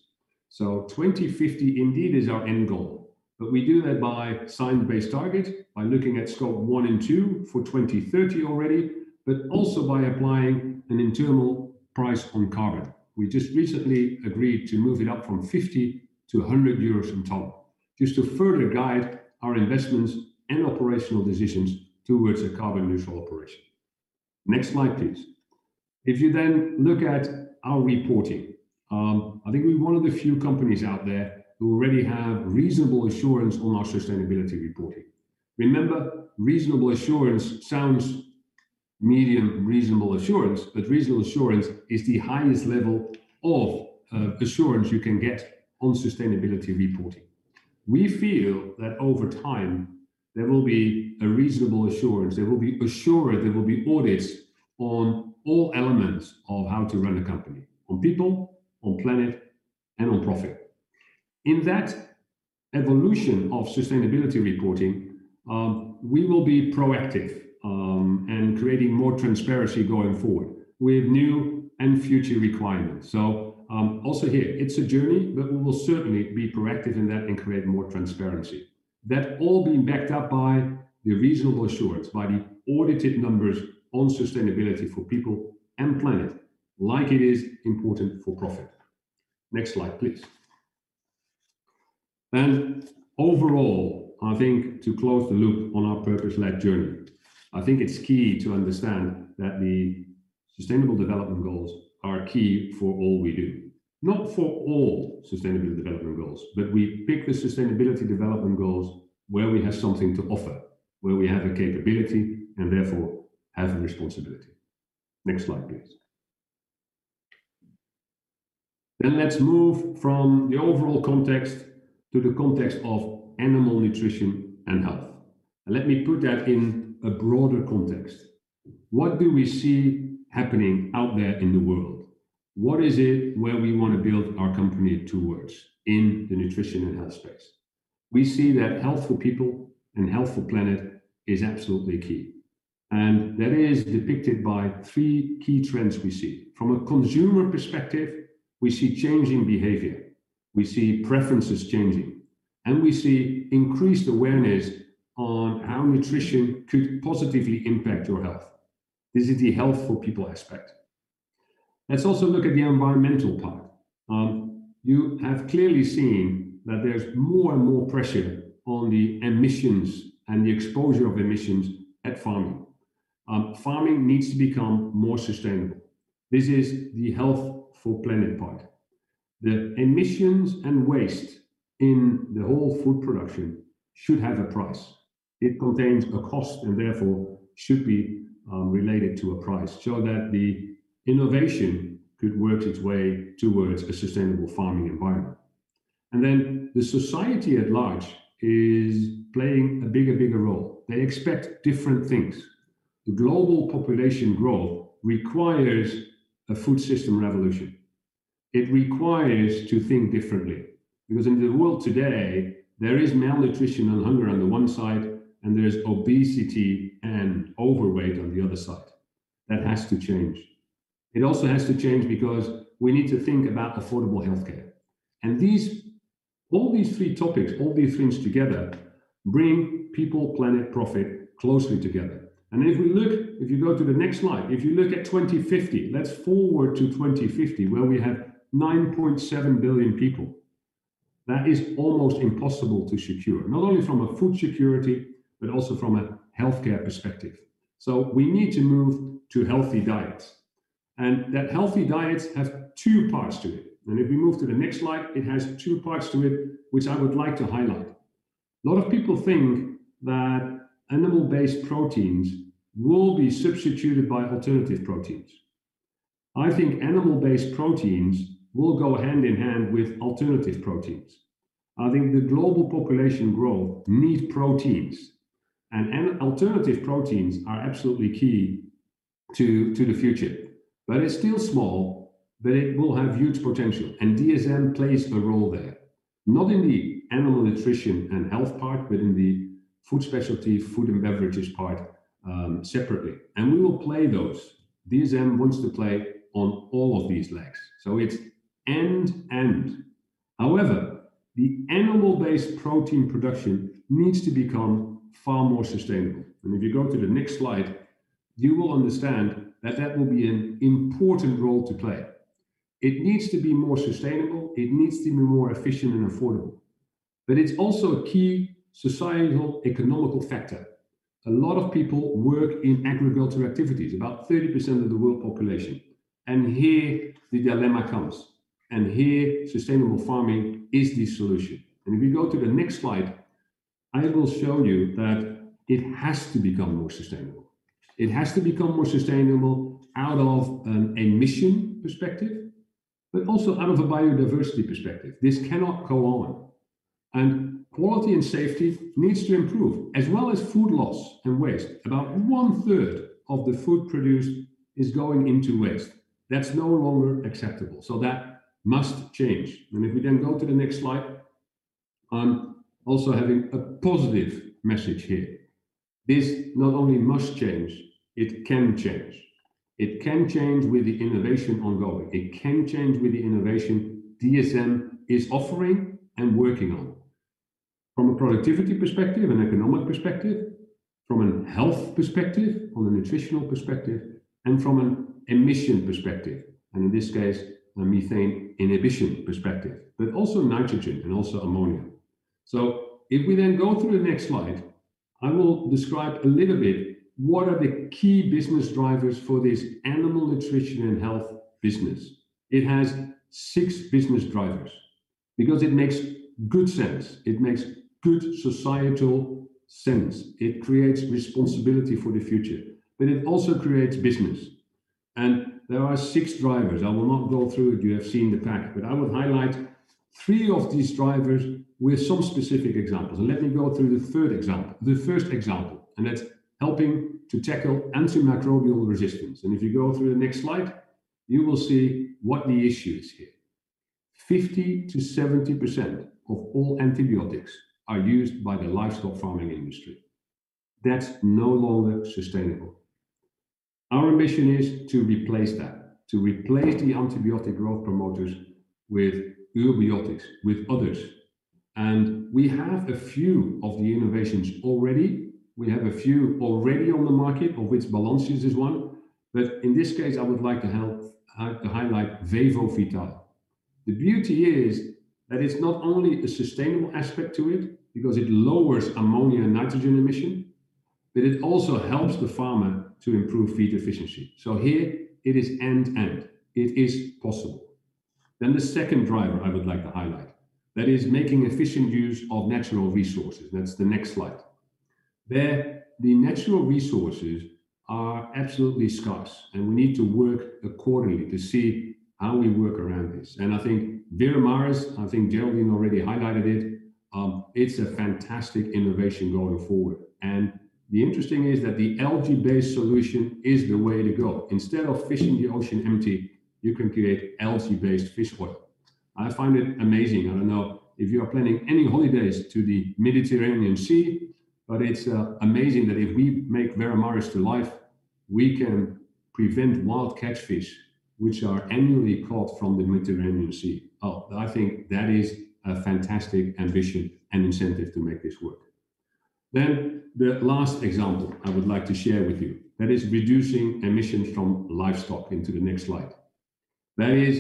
2050 indeed is our end goal, but we do that by science-based target, by looking at Scope 1 and 2 for 2030 already, but also by applying an internal price on carbon. We just recently agreed to move it up from 50-100 euros a ton, just to further guide our investments and operational decisions towards a carbon neutral operation. Next slide, please. If you look at our reporting, I think we're one of the few companies out there who already have reasonable assurance on our sustainability reporting. Remember, reasonable assurance sounds medium reasonable assurance, but reasonable assurance is the highest level of assurance you can get on sustainability reporting. We feel that over time, there will be a reasonable assurance, there will be assurance, there will be audits on all elements of how to run a company, on people, on planet, and on profit. In that evolution of sustainability reporting, we will be proactive, and creating more transparency going forward with new and future requirements. Also here, it's a journey, but we will certainly be proactive in that and create more transparency. That all being backed up by the reasonable assurance, by the audited numbers on sustainability for people and planet, like it is important for profit. Next slide, please. Overall, I think to close the loop on our purpose-led journey, I think it's key to understand that the Sustainable Development Goals are key for all we do. Not for all Sustainable Development Goals, we pick the Sustainable Development Goals where we have something to offer, where we have a capability and therefore have a responsibility. Next slide, please. Let's move from the overall context to the context of animal nutrition and health, and let me put that in a broader context. What do we see happening out there in the world? What is it where we want to build our company towards in the nutrition and health space? We see that health for people and health for planet is absolutely key, and that is depicted by 3 key trends we see. From a consumer perspective, we see changing behavior, we see preferences changing, and we see increased awareness on how nutrition could positively impact your health. This is the health for people aspect. Let's also look at the environmental part. You have clearly seen that there's more and more pressure on the emissions and the exposure of emissions at farming. Farming needs to become more sustainable. This is the health for planet part. The emissions and waste in the whole food production should have a price. It contains a cost and therefore should be related to a price so that the innovation could work its way towards a sustainable farming environment. The society at large is playing a bigger role. They expect different things. The global population growth requires a food system revolution. It requires to think differently. In the world today, there is malnutrition and hunger on the one side, and there's obesity and overweight on the other side. That has to change. It also has to change because we need to think about affordable healthcare. All these three topics, all these things together, bring people, planet, profit closely together. If you go to the next slide, if you look at 2050, let's forward to 2050 where we have 9.7 billion people. That is almost impossible to secure, not only from a food security, but also from a healthcare perspective. We need to move to healthy diets. That healthy diets have two parts to it. If we move to the next slide, it has two parts to it, which I would like to highlight. A lot of people think that animal-based proteins will be substituted by alternative proteins. I think animal-based proteins will go hand in hand with alternative proteins. I think the global population growth needs proteins, and alternative proteins are absolutely key to the future. It's still small, but it will have huge potential. DSM plays a role there, not in the animal nutrition and health part, but in the food specialty, food and beverages part, separately. We will play those. DSM wants to play on all of these legs. However, the animal-based protein production needs to become far more sustainable. If you go to the next slide, you will understand that that will be an important role to play. It needs to be more sustainable, it needs to be more efficient and affordable, but it's also a key societal economic factor. A lot of people work in agricultural activities, about 30% of the world population. Here the dilemma comes, and here sustainable farming is the solution. If you go to the next slide, I will show you that it has to become more sustainable. It has to become more sustainable out of an emission perspective, but also out of a biodiversity perspective. This cannot go on. Quality and safety needs to improve, as well as food loss and waste. About one third of the food produced is going into waste. That's no longer acceptable, so that must change. If we then go to the next slide, I'm also having a positive message here. This not only must change, it can change. It can change with the innovation ongoing. It can change with the innovation DSM is offering and working on. From a productivity perspective, an economic perspective, from a health perspective, from a nutritional perspective, and from an emission perspective, and in this case, a methane inhibition perspective. Also nitrogen and also ammonia. If we then go through the next slide, I will describe a little bit what are the key business drivers for this animal nutrition and health business. It has six business drivers because it makes good sense. It makes good societal sense. It creates responsibility for the future, but it also creates business. There are six drivers. I will not go through it, you have seen the pack, but I will highlight three of these drivers with some specific examples. Let me go through the first example, and that's helping to tackle antimicrobial resistance. If you go through the next slide, you will see what the issue is here. 50%-70% of all antibiotics are used by the livestock farming industry. That's no longer sustainable. Our mission is to replace that, to replace the antibiotic growth promoters with eubiotics, with others. We have a few of the innovations already. We have a few already on the market, of which Balancius is one. In this case, I would like to highlight VevoVitall. The beauty is that it's not only a sustainable aspect to it because it lowers ammonia and nitrogen emission, but it also helps the farmer to improve feed efficiency. Here it is end to end. It is possible. The second driver I would like to highlight, that is making efficient use of natural resources. That's the next slide. There, the natural resources are absolutely scarce, and we need to work accordingly to see how we work around this. I think Veramaris, Geraldine already highlighted it's a fantastic innovation going forward. The interesting is that the algae-based solution is the way to go. Instead of fishing the ocean empty, you can create algae-based fish oil. I find it amazing. I don't know if you are planning any holidays to the Mediterranean Sea, but it's amazing that if we make Veramaris to life, we can prevent wild catch fish, which are annually caught from the Mediterranean Sea. I think that is a fantastic ambition and incentive to make this work. The last example I would like to share with you, that is reducing emissions from livestock into the next slide. That is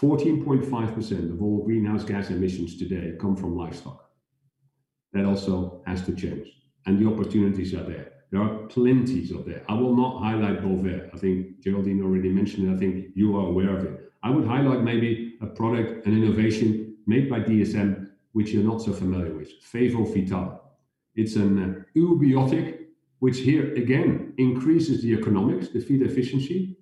14.5% of all greenhouse gas emissions today come from livestock. That also has to change, and the opportunities are there. There are plenty out there. I will not highlight Bovaer. I think Geraldine already mentioned it. I think you are aware of it. I would highlight maybe a product and innovation made by DSM, which you're not so familiar with, VevoVitall. It's an eubiotic, which here again increases the economics, the feed efficiency,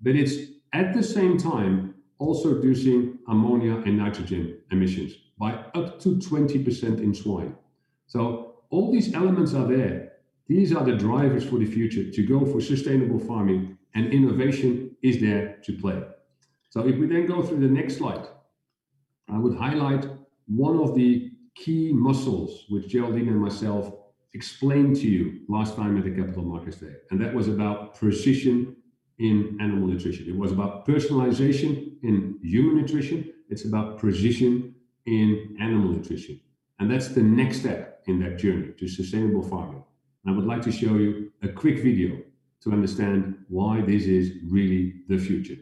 but it's at the same time also reducing ammonia and nitrogen emissions by up to 20% in swine. All these elements are there. These are the drivers for the future to go for sustainable farming and innovation is there to play. If we go through the next slide, I would highlight one of the key muscles which Geraldine and myself explained to you last time at the Capital Markets Day. That was about precision in animal nutrition. It was about personalization in human nutrition. It's about precision in animal nutrition. That's the next step in that journey to sustainable farming. I would like to show you a quick video to understand why this is really the future.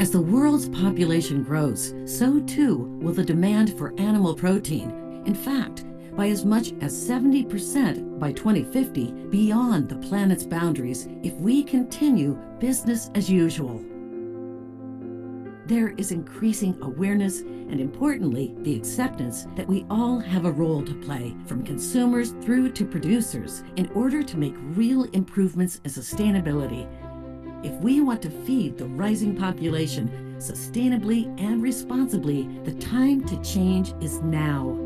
As the world's population grows, so too will the demand for animal protein. In fact, by as much as 70% by 2050 beyond the planet's boundaries if we continue business as usual. Importantly, the acceptance that we all have a role to play, from consumers through to producers, in order to make real improvements in sustainability. If we want to feed the rising population sustainably and responsibly, the time to change is now.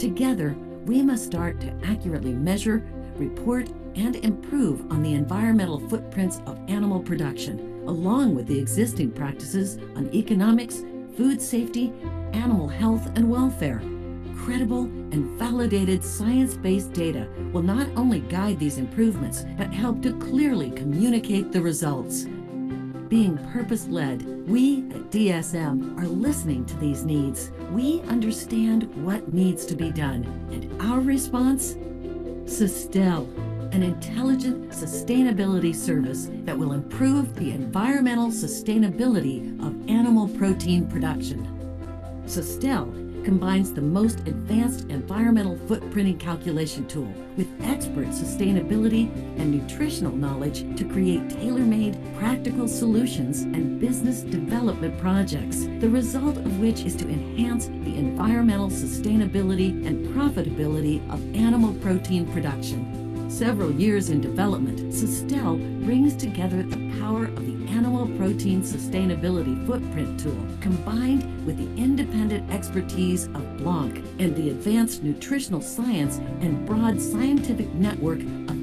Together, we must start to accurately measure, report, and improve on the environmental footprints of animal production, along with the existing practices on economics, food safety, animal health, and welfare. Credible and validated science-based data will not only guide these improvements but help to clearly communicate the results. Being purpose-led, we at DSM are listening to these needs. We understand what needs to be done. Our response, Sustell, an intelligent sustainability service that will improve the environmental sustainability of animal protein production. Sustell combines the most advanced environmental footprinting calculation tool with expert sustainability and nutritional knowledge to create tailor-made practical solutions and business development projects. The result of which is to enhance the environmental sustainability and profitability of animal protein production. Several years in development, Sustell brings together the power of the animal protein sustainability footprint tool, combined with the independent expertise of Blonk and the advanced nutritional science and broad scientific network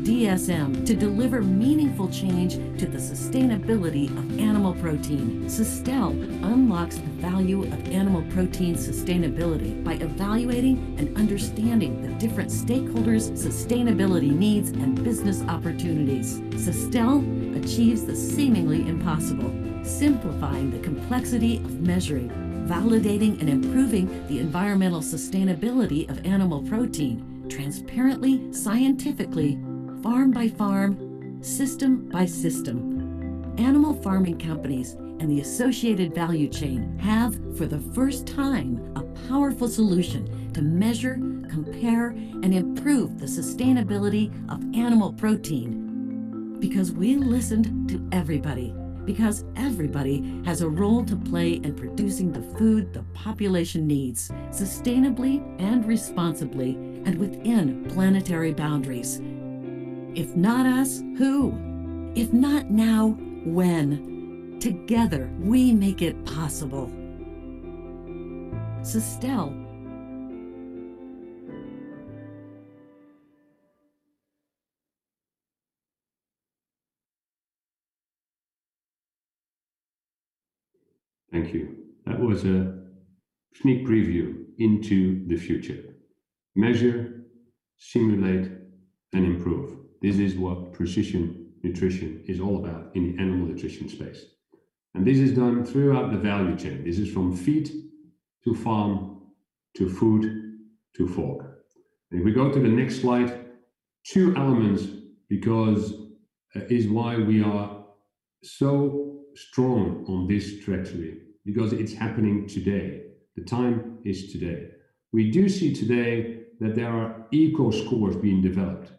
of DSM to deliver meaningful change to the sustainability of animal protein. Sustell unlocks the value of animal protein sustainability by evaluating and understanding the different stakeholders' sustainability needs and business opportunities. Sustell achieves the seemingly impossible, simplifying the complexity of measuring, validating, and improving the environmental sustainability of animal protein transparently, scientifically, farm by farm, system by system. Animal farming companies and the associated value chain have, for the first time, a powerful solution to measure, compare, and improve the sustainability of animal protein. We listened to everybody. Everybody has a role to play in producing the food the population needs, sustainably and responsibly, and within planetary boundaries. If not us, who? If not now, when? Together we make it possible. Sustell. Thank you. That was a sneak preview into the future. Measure, simulate, and improve. This is what precision nutrition is all about in the animal nutrition space. This is done throughout the value chain. This is from feed, to farm, to food, to fork. If we go to the next slide, two elements, this is why we are so strong on this trajectory, because it's happening today. The time is today. We do see today that there are eco scores being developed.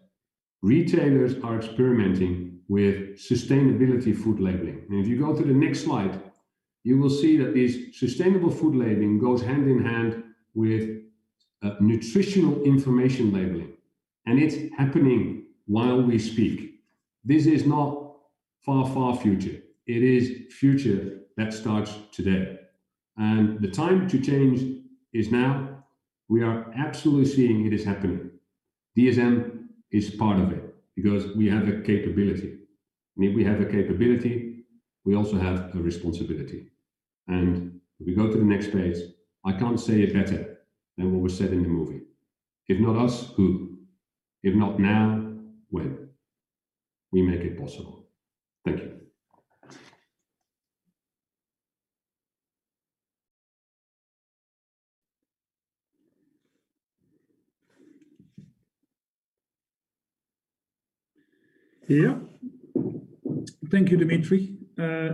Retailers are experimenting with sustainability food labeling. If you go to the next slide, you will see that this sustainable food labeling goes hand-in-hand with nutritional information labeling. It's happening while we speak. This is not far future. It is future that starts today. The time to change is now. We are absolutely seeing it is happening. DSM is part of it because we have a capability. If we have a capability, we also have a responsibility. If we go to the next page, I can't say it better than what was said in the movie. If not us, who? If not now, when? We make it possible. Thank you. Yeah. Thank you, Dimitri.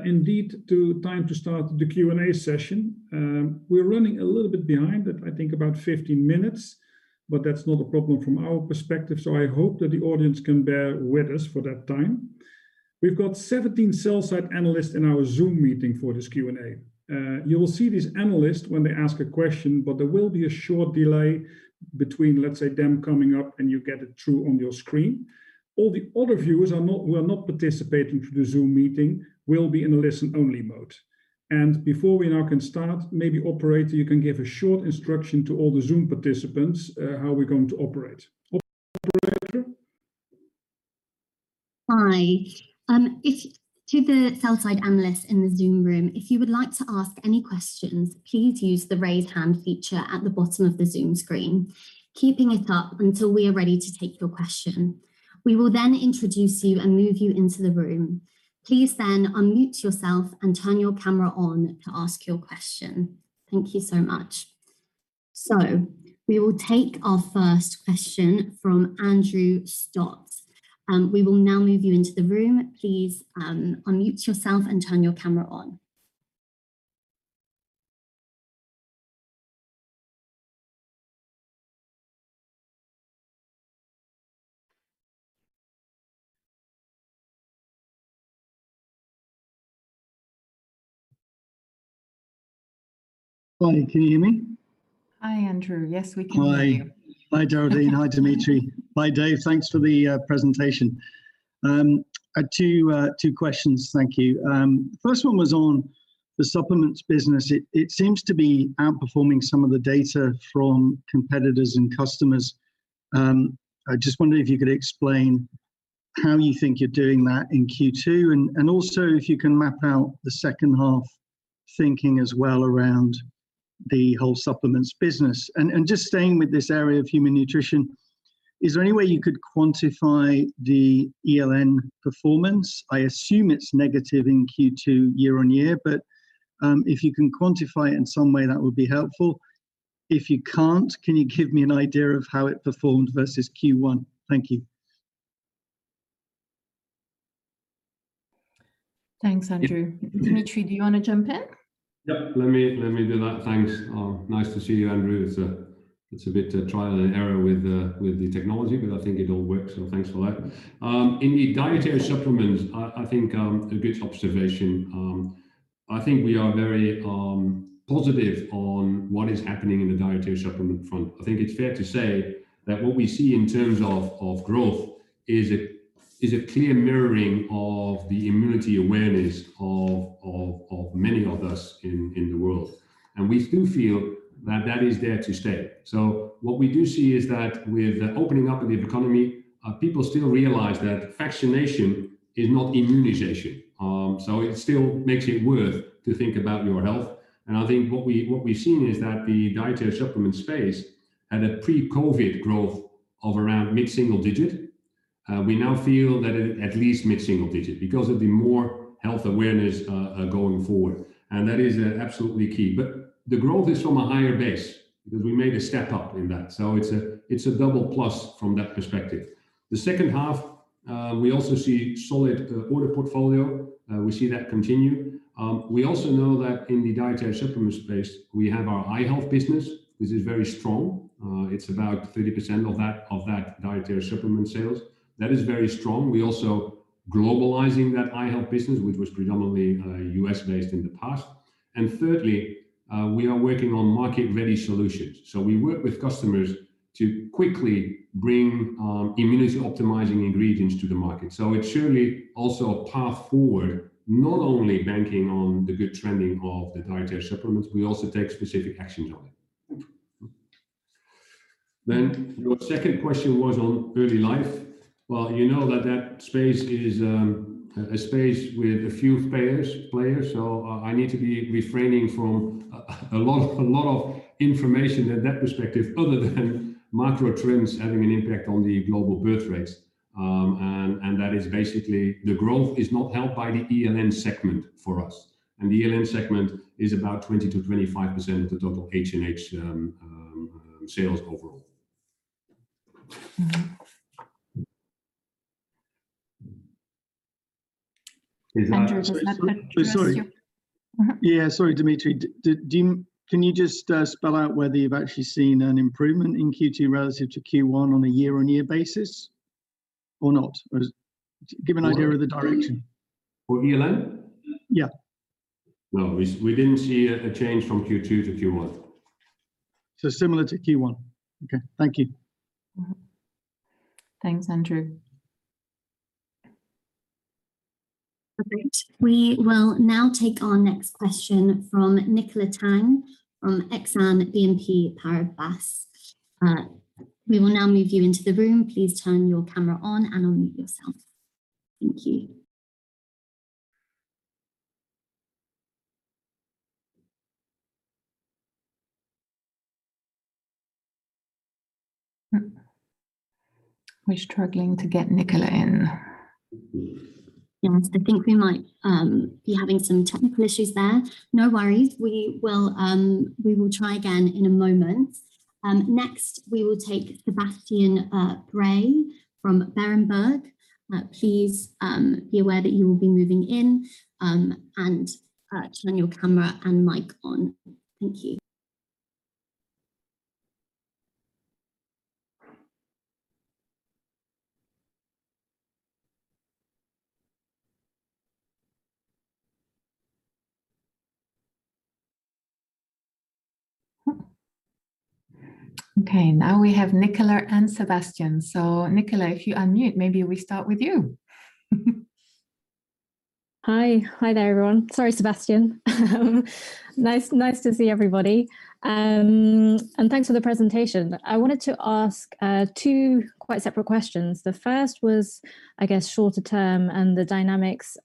Indeed, time to start the Q&A session. We're running a little bit behind, I think about 15 minutes. That's not a problem from our perspective. I hope that the audience can bear with us for that time. We've got 17 sell-side analysts in our Zoom meeting for this Q&A. You will see these analysts when they ask a question. There will be a short delay between, let's say, them coming up and you get it through on your screen. All the other viewers who are not participating through the Zoom meeting will be in a listen-only mode. Before we now can start, maybe operator, you can give a short instruction to all the Zoom participants how we're going to operate. Operator? Hi. To the sell side analysts in the Zoom room, if you would like to ask any questions, please use the raise hand feature at the bottom of the Zoom screen, keeping it up until we are ready to take your question. We will then introduce you and move you into the room. Please then unmute yourself and turn your camera on to ask your question. Thank you so much. We will take our first question from Andrew Stott. We will now move you into the room. Please unmute yourself and turn your camera on. Hi, can you hear me? Hi, Andrew. Yes, we can hear you. Hi. Hi, Geraldine. Hi, Dimitri. Hi, Dave. Thanks for the presentation. I had two questions. Thank you. First one was on the supplements business. It seems to be outperforming some of the data from competitors and customers. I just wondered if you could explain how you think you're doing that in Q2, and also if you can map out the second half thinking as well around the whole supplements business. Just staying with this area of human nutrition, is there any way you could quantify the ELN performance? I assume it's negative in Q2 year-on-year, but if you can quantify it in some way, that would be helpful. If you can't, can you give me an idea of how it performed versus Q1? Thank you. Thanks, Andrew. Dimitri, do you want to jump in? Yep. Let me do that. Thanks. Nice to see you, Andrew. It's a bit trial and error with the technology, but I think it all works, so thanks for that. In the dietary supplements, I think a good observation. I think we are very positive on what is happening in the dietary supplement front. I think it's fair to say that what we see in terms of growth is a clear mirroring of the immunity awareness of many of us in the world. We do feel that that is there to stay. What we do see is that with the opening up of the economy, people still realize that vaccination is not immunization. It still makes it worth to think about your health. I think what we've seen is that the dietary supplement space had a pre-COVID growth of around mid-single digit. We now feel that at least mid-single digit because of the more health awareness going forward. That is absolutely key. The growth is from a higher base because we made a step up in that. It's a double plus from that perspective. The second half, we also see solid order portfolio. We see that continue. We also know that in the dietary supplement space, we have our i-Health business, which is very strong. It's about 30% of that dietary supplement sales. That is very strong. We're also globalizing that i-Health business, which was predominantly U.S.-based in the past. Thirdly, we are working on market-ready solutions. We work with customers to quickly bring immunity optimizing ingredients to the market. It's surely also a path forward, not only banking on the good trending of the dietary supplements, we also take specific actions on it. Your second question was on early life. Well, you know that that space is a space with a few players. I need to be refraining from a lot of information in that perspective other than macro trends having an impact on the global birth rates. That is basically the growth is not held by the ELN segment for us. The ELN segment is about 20%-25% of the total H&H sales overall. Mm-hmm. Andrew, does that address? Sorry. Yeah, sorry, Dimitri. Can you just spell out whether you've actually seen an improvement in Q2 relative to Q1 on a year-on-year basis or not? Or just give an idea of the direction. For ELN? Yeah. No, we didn't see a change from Q2 to Q1. Similar to Q1. Okay. Thank you. Mm-hmm. Thanks, Andrew. Great. We will now take our next question from Nicola Tang from Exane BNP Paribas. We will now move you into the room. Please turn your camera on and unmute yourself. Thank you. We're struggling to get Nicola in. Yes, I think we might be having some technical issues there. No worries. We will try again in a moment. Next we will take Sebastian Bray from Berenberg. Please be aware that you will be moving in, and turn your camera and mic on. Thank you. Okay, now we have Nicola and Sebastian. Nicola, if you unmute, maybe we start with you. Hi there, everyone. Sorry, Sebastian. Nice to see everybody, and thanks for the presentation. I wanted to ask two quite separate questions. The first was, I guess, shorter term and the dynamics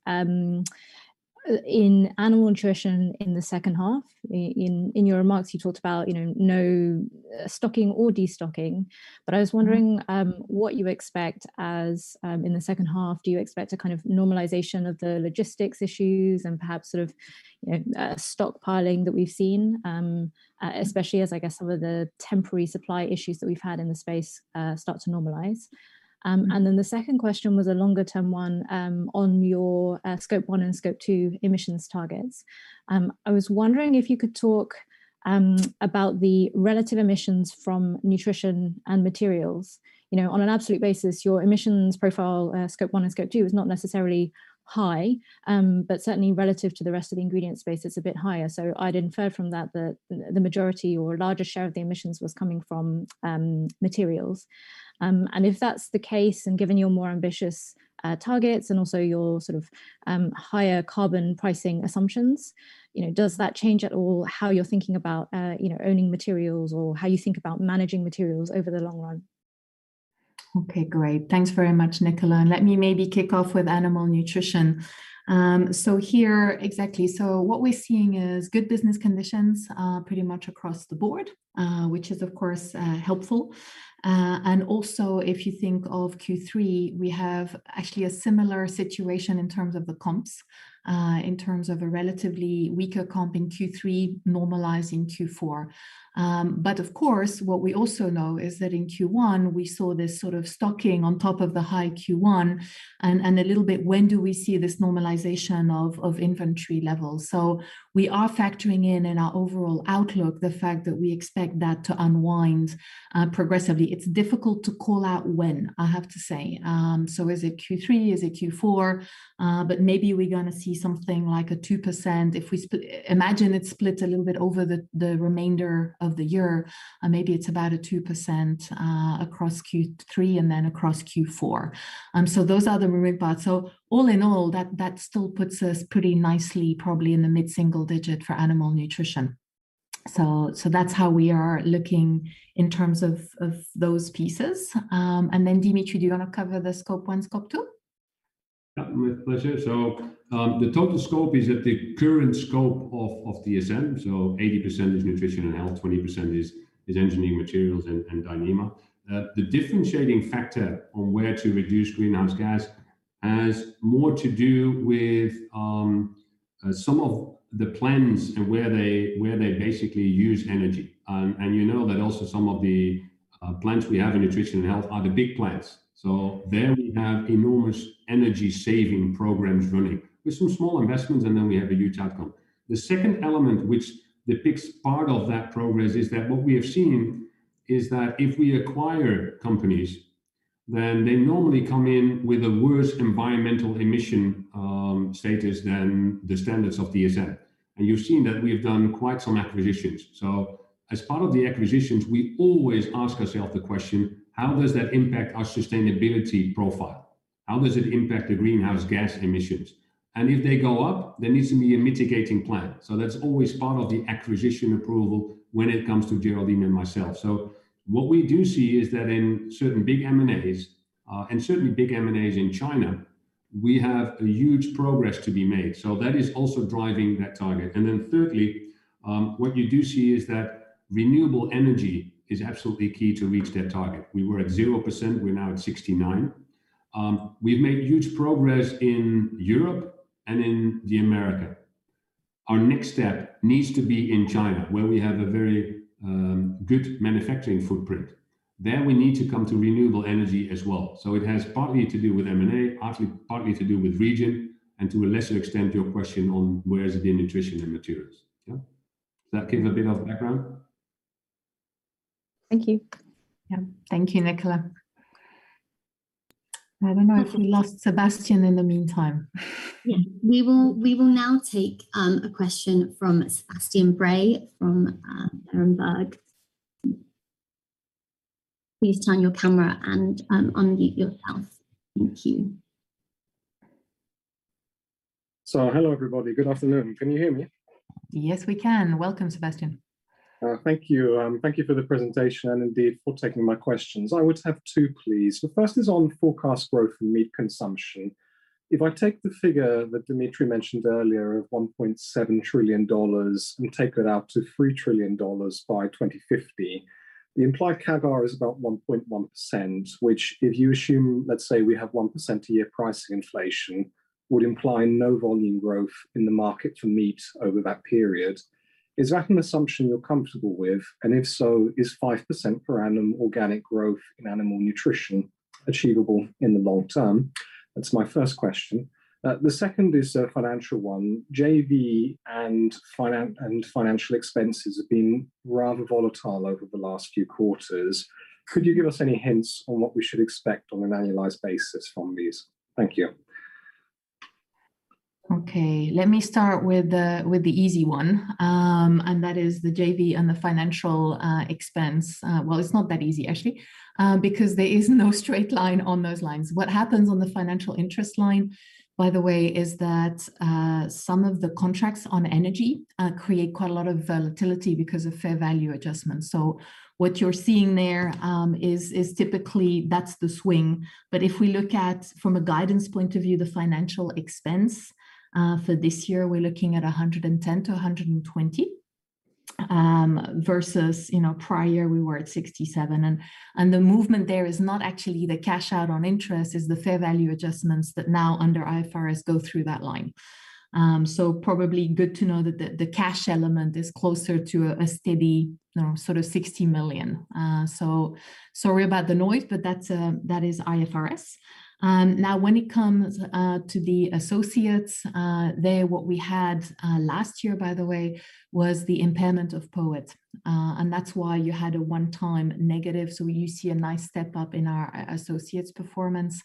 in animal nutrition in the second half. In your remarks, you talked about no stocking or destocking, but I was wondering what you expect as in the second half. Do you expect a kind of normalization of the logistics issues and perhaps stockpiling that we've seen, especially as, I guess, some of the temporary supply issues that we've had in the space start to normalize? The second question was a longer-term one on your Scope 1 and Scope 2 emissions targets. I was wondering if you could talk about the relative emissions from nutrition and materials. On an absolute basis, your emissions profile, Scope 1 and Scope 2, is not necessarily high. Certainly relative to the rest of the ingredient space, it's a bit higher. I'd inferred from that the majority or a larger share of the emissions was coming from materials. If that's the case and given your more ambitious targets and also your higher carbon pricing assumptions, does that change at all how you're thinking about owning materials or how you think about managing materials over the long run? Okay, great. Thanks very much, Nicola. Let me maybe kick off with animal nutrition. Here, exactly. What we're seeing is good business conditions pretty much across the board, which is, of course, helpful. Also, if you think of Q3, we have actually a similar situation in terms of the comps, in terms of a relatively weaker comp in Q3, normalize in Q4. Of course, what we also know is that in Q1, we saw this sort of stocking on top of the high Q1, and a little bit, when do we see this normalization of inventory levels? We are factoring in our overall outlook, the fact that we expect that to unwind progressively. It's difficult to call out when, I have to say. Is it Q3? Is it Q4? Maybe we're going to see something like a 2%, if we imagine it splits a little bit over the remainder of the year, maybe it's about a 2% across Q3 and then across Q4. Those are the moving parts. All in all, that still puts us pretty nicely, probably in the mid-single digit for animal nutrition. That's how we are looking in terms of those pieces. Dimitri, do you want to cover the Scope 1, Scope 2? Yeah, with pleasure. The total scope is at the current scope of DSM, 80% is Nutrition and Health, 20% is Engineering Materials and Dyneema. The differentiating factor on where to reduce greenhouse gas has more to do with some of the plans and where they basically use energy. You know that also some of the plants we have in Nutrition and Health are the big plants. There we have enormous energy-saving programs running with some small investments, and then we have a huge outcome. The second element which depicts part of that progress is that what we have seen is that if we acquire companies, then they normally come in with a worse environmental emission status than the standards of DSM. You've seen that we've done quite some acquisitions. As part of the acquisitions, we always ask ourselves the question: how does that impact our sustainability profile? How does it impact the greenhouse gas emissions? If they go up, there needs to be a mitigating plan. That's always part of the acquisition approval when it comes to Geraldine and myself. What we do see is that in certain big M&As, and certainly big M&As in China, we have a huge progress to be made. That is also driving that target. Thirdly, what you do see is that renewable energy is absolutely key to reach that target. We were at 0%, we're now at 69%. We've made huge progress in Europe and in the America. Our next step needs to be in China, where we have a very good manufacturing footprint. There, we need to come to renewable energy as well. It has partly to do with M&A, partly to do with region, and to a lesser extent, your question on where is it in Nutrition and Materials. Yeah. Does that give a bit of background? Thank you. Yeah. Thank you, Nicola. I don't know if we lost Sebastian in the meantime. Yeah. We will now take a question from Sebastian Bray from Berenberg. Please turn on your camera and unmute yourself. Thank you. Hello, everybody. Good afternoon. Can you hear me? Yes, we can. Welcome, Sebastian. Thank you. Thank you for the presentation, and indeed for taking my questions. I would have two, please. The first is on forecast growth in meat consumption. If I take the figure that Dimitri mentioned earlier of $1.7 trillion and take that out to $3 trillion by 2050, the implied CAGR is about 1.1%, which, if you assume, let's say we have 1% a year price inflation, would imply no volume growth in the market for meat over that period. Is that an assumption you're comfortable with, and if so, is 5% per annum organic growth in animal nutrition achievable in the long term? That's my first question. The second is a financial one. JV and financial expenses have been rather volatile over the last few quarters. Could you give us any hints on what we should expect on an annualized basis from these? Thank you. Let me start with the easy one, that is the JV and the financial expense. Well, it's not that easy, actually, because there is no straight line on those lines. What happens on the financial interest line, by the way, is that some of the contracts on energy create quite a lot of volatility because of fair value adjustments. What you're seeing there is typically that's the swing. If we look at, from a guidance point of view, the financial expense, for this year, we're looking at 110 million-120 million, versus prior year we were at 67 million. The movement there is not actually the cash out on interest, it's the fair value adjustments that now under IFRS go through that line. Probably good to know that the cash element is closer to a steady sort of 60 million. Sorry about the noise, but that is IFRS. When it comes to the associates, there what we had last year, by the way, was the impairment of POET. That's why you had a one-time negative. You see a nice step-up in our associates' performance.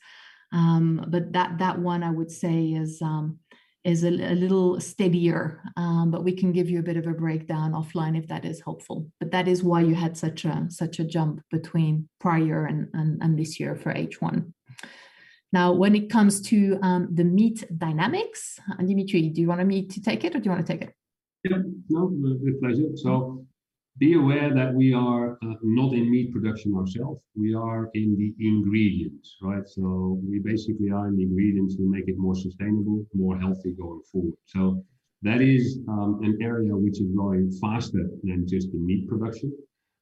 That one I would say is a little steadier. We can give you a bit of a breakdown offline if that is helpful. That is why you had such a jump between prior and this year for H1. When it comes to the meat dynamics, Dimitri, do you want me to take it or do you want to take it? With pleasure. Be aware that we are not in meat production ourselves. We are in the ingredients, right? We basically are in the ingredients to make it more sustainable, more healthy going forward. That is an area which is growing faster than just the meat production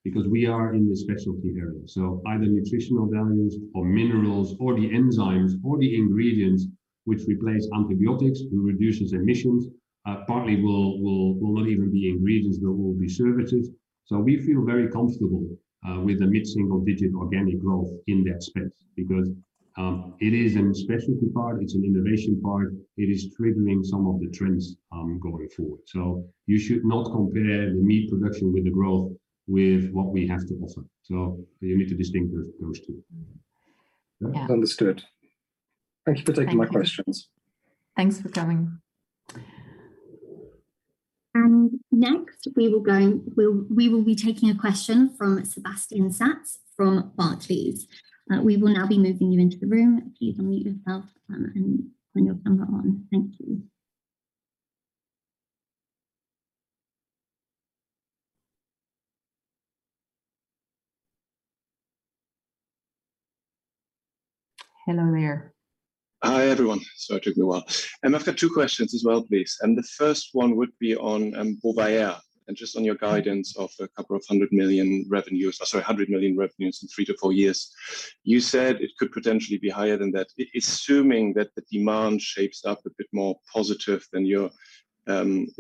because we are in the specialty area. Either nutritional values or minerals or the enzymes or the ingredients which replace antibiotics, which reduces emissions, partly will not even be ingredients, they will be services. We feel very comfortable with the mid-single-digit organic growth in that space because it is a specialty part, it's an innovation part. It is triggering some of the trends going forward. You should not compare the meat production with the growth with what we have to offer. You need to distinguish those two. Yeah. Understood. Thank you for taking my questions. Thank you. Thanks for coming. Next, we will be taking a question from Sebastian Satz from Barclays. We will now be moving you into the room. Please unmute yourself and turn your camera on. Thank you. Hello there. Hi, everyone. Sorry it took me a while. I've got two questions as well, please. The first one would be on Bovaer, just on your guidance of 200 million revenues, sorry, 100 million revenues in 3-4 years. You said it could potentially be higher than that. Assuming that the demand shapes up a bit more positive than you're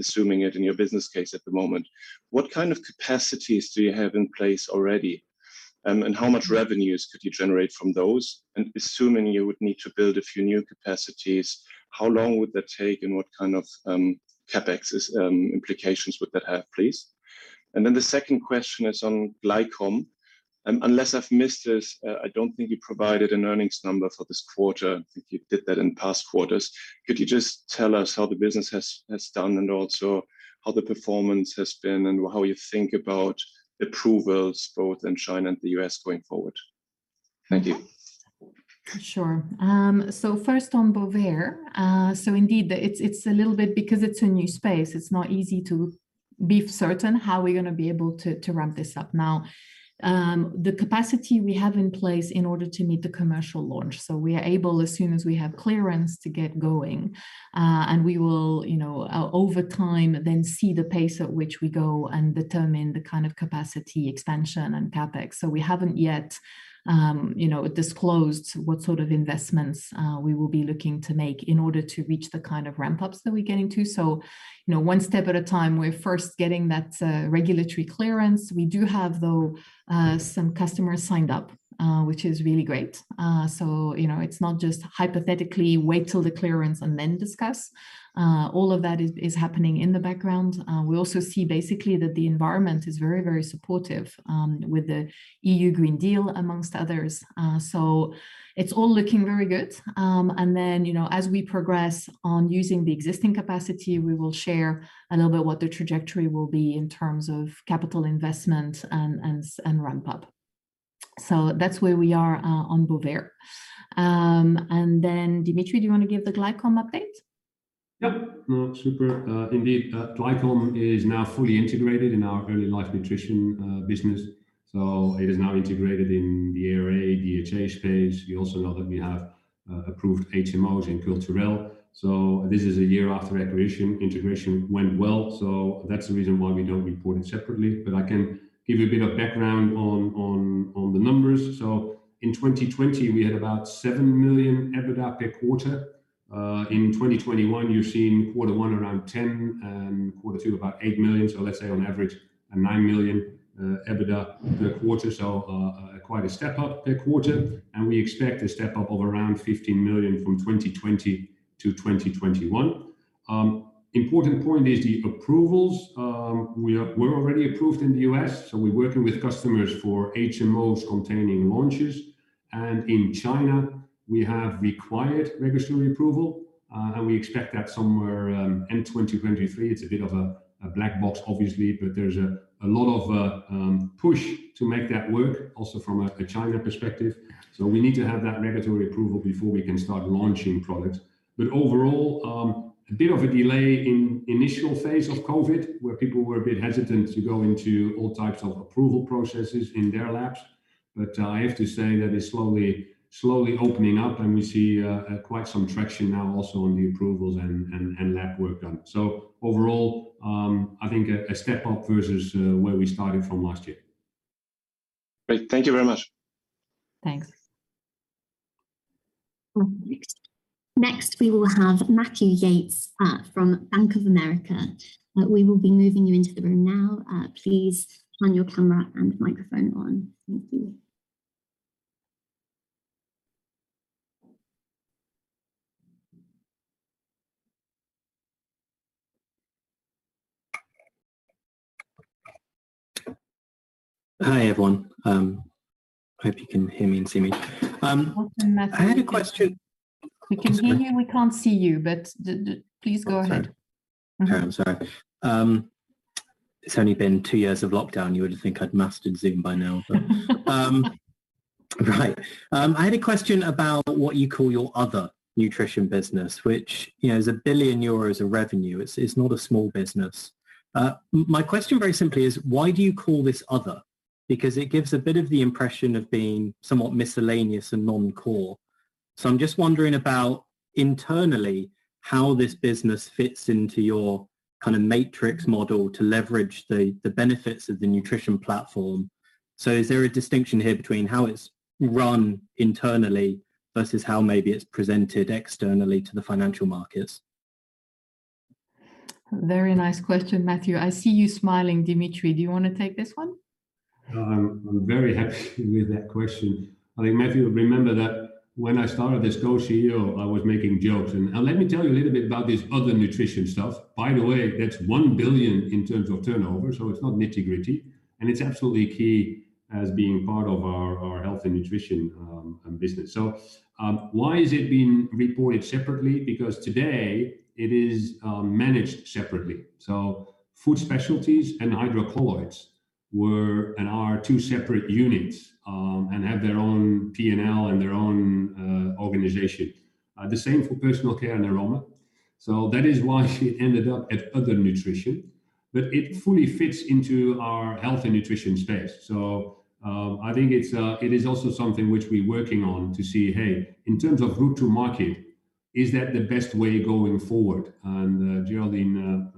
assuming it in your business case at the moment, what kind of capacities do you have in place already? How much revenues could you generate from those? Assuming you would need to build a few new capacities, how long would that take and what kind of CapEx implications would that have, please? Then the second question is on Glycom. Unless I've missed this, I don't think you provided an earnings number for this quarter. I think you did that in past quarters. Could you just tell us how the business has done and also how the performance has been and how you think about approvals both in China and the U.S. going forward? Thank you. Sure. First on Bovaer. Indeed, it's a little bit because it's a new space, it's not easy to be certain how we're going to be able to ramp this up. Now, the capacity we have in place in order to meet the commercial launch, so we are able, as soon as we have clearance, to get going. We will, over time, then see the pace at which we go and determine the kind of capacity expansion and CapEx. We haven't yet disclosed what sort of investments we will be looking to make in order to reach the kind of ramp-ups that we're getting to. One step at a time. We're first getting that regulatory clearance. We do have, though, some customers signed up, which is really great. It's not just hypothetically wait till the clearance and then discuss. All of that is happening in the background. We also see basically that the environment is very, very supportive, with the European Green Deal, amongst others. It's all looking very good. As we progress on using the existing capacity, we will share a little bit what the trajectory will be in terms of capital investment and ramp-up. That's where we are on Bovaer. Dimitri, do you want to give the Glycom update? Yep. No, super. Glycom is now fully integrated in our early life nutrition business. It is now integrated in the ARA, DHA space. You also know that we have approved HMOs in Culturelle. This is a year after acquisition. Integration went well, that's the reason why we don't report it separately. I can give you a bit of background on the numbers. In 2020, we had about 7 million EBITDA per quarter. In 2021, you're seeing Q1 around 10, Q2 about 8 million, let's say on average a 9 million EBITDA per quarter. We expect a step-up of around 15 million from 2020 to 2021. Important point is the approvals. We're already approved in the U.S., we're working with customers for HMOs containing launches. In China, we have required regulatory approval, and we expect that somewhere end 2023. It's a bit of a black box, obviously, but there's a lot of push to make that work, also from a China perspective. We need to have that regulatory approval before we can start launching products. Overall, a bit of a delay in initial phase of COVID, where people were a bit hesitant to go into all types of approval processes in their labs. I have to say that it's slowly opening up, and we see quite some traction now also on the approvals and lab work done. Overall, I think a step-up versus where we started from last year. Great. Thank you very much. Thanks. Next, we will have Matthew Yates from Bank of America. We will be moving you into the room now. Please turn your camera and microphone on. Thank you. Hi, everyone. Hope you can hear me and see me. Welcome, Matthew. I had a question- We can hear you, we can't see you, please go ahead. Sorry. Okay, I'm sorry. It's only been two years of lockdown. You would think I'd mastered Zoom by now. Right. I had a question about what you call your other nutrition business, which is 1 billion euros of revenue. It's not a small business. My question very simply is, why do you call this other? It gives a bit of the impression of being somewhat miscellaneous and non-core. I'm just wondering about internally, how this business fits into your kind of matrix model to leverage the benefits of the nutrition platform. Is there a distinction here between how it's run internally versus how maybe it's presented externally to the financial markets? Very nice question, Matthew. I see you smiling, Dimitri. Do you want to take this one? I'm very happy with that question. I think Matthew will remember that when I started as co-CEO, I was making jokes. Let me tell you a little bit about this other nutrition stuff. By the way, that's 1 billion in terms of turnover, so it's not nitty-gritty, and it's absolutely key as being part of our Health and Nutrition business. Why is it being reported separately? Because today it is managed separately. Food Specialties and Hydrocolloids were, and are, two separate units, and have their own P&L and their own organization. The same for Personal Care and Aroma. That is why she ended up at other nutrition, but it fully fits into our Health and Nutrition space. I think it is also something which we're working on to see, hey, in terms of route to market, is that the best way going forward? Geraldine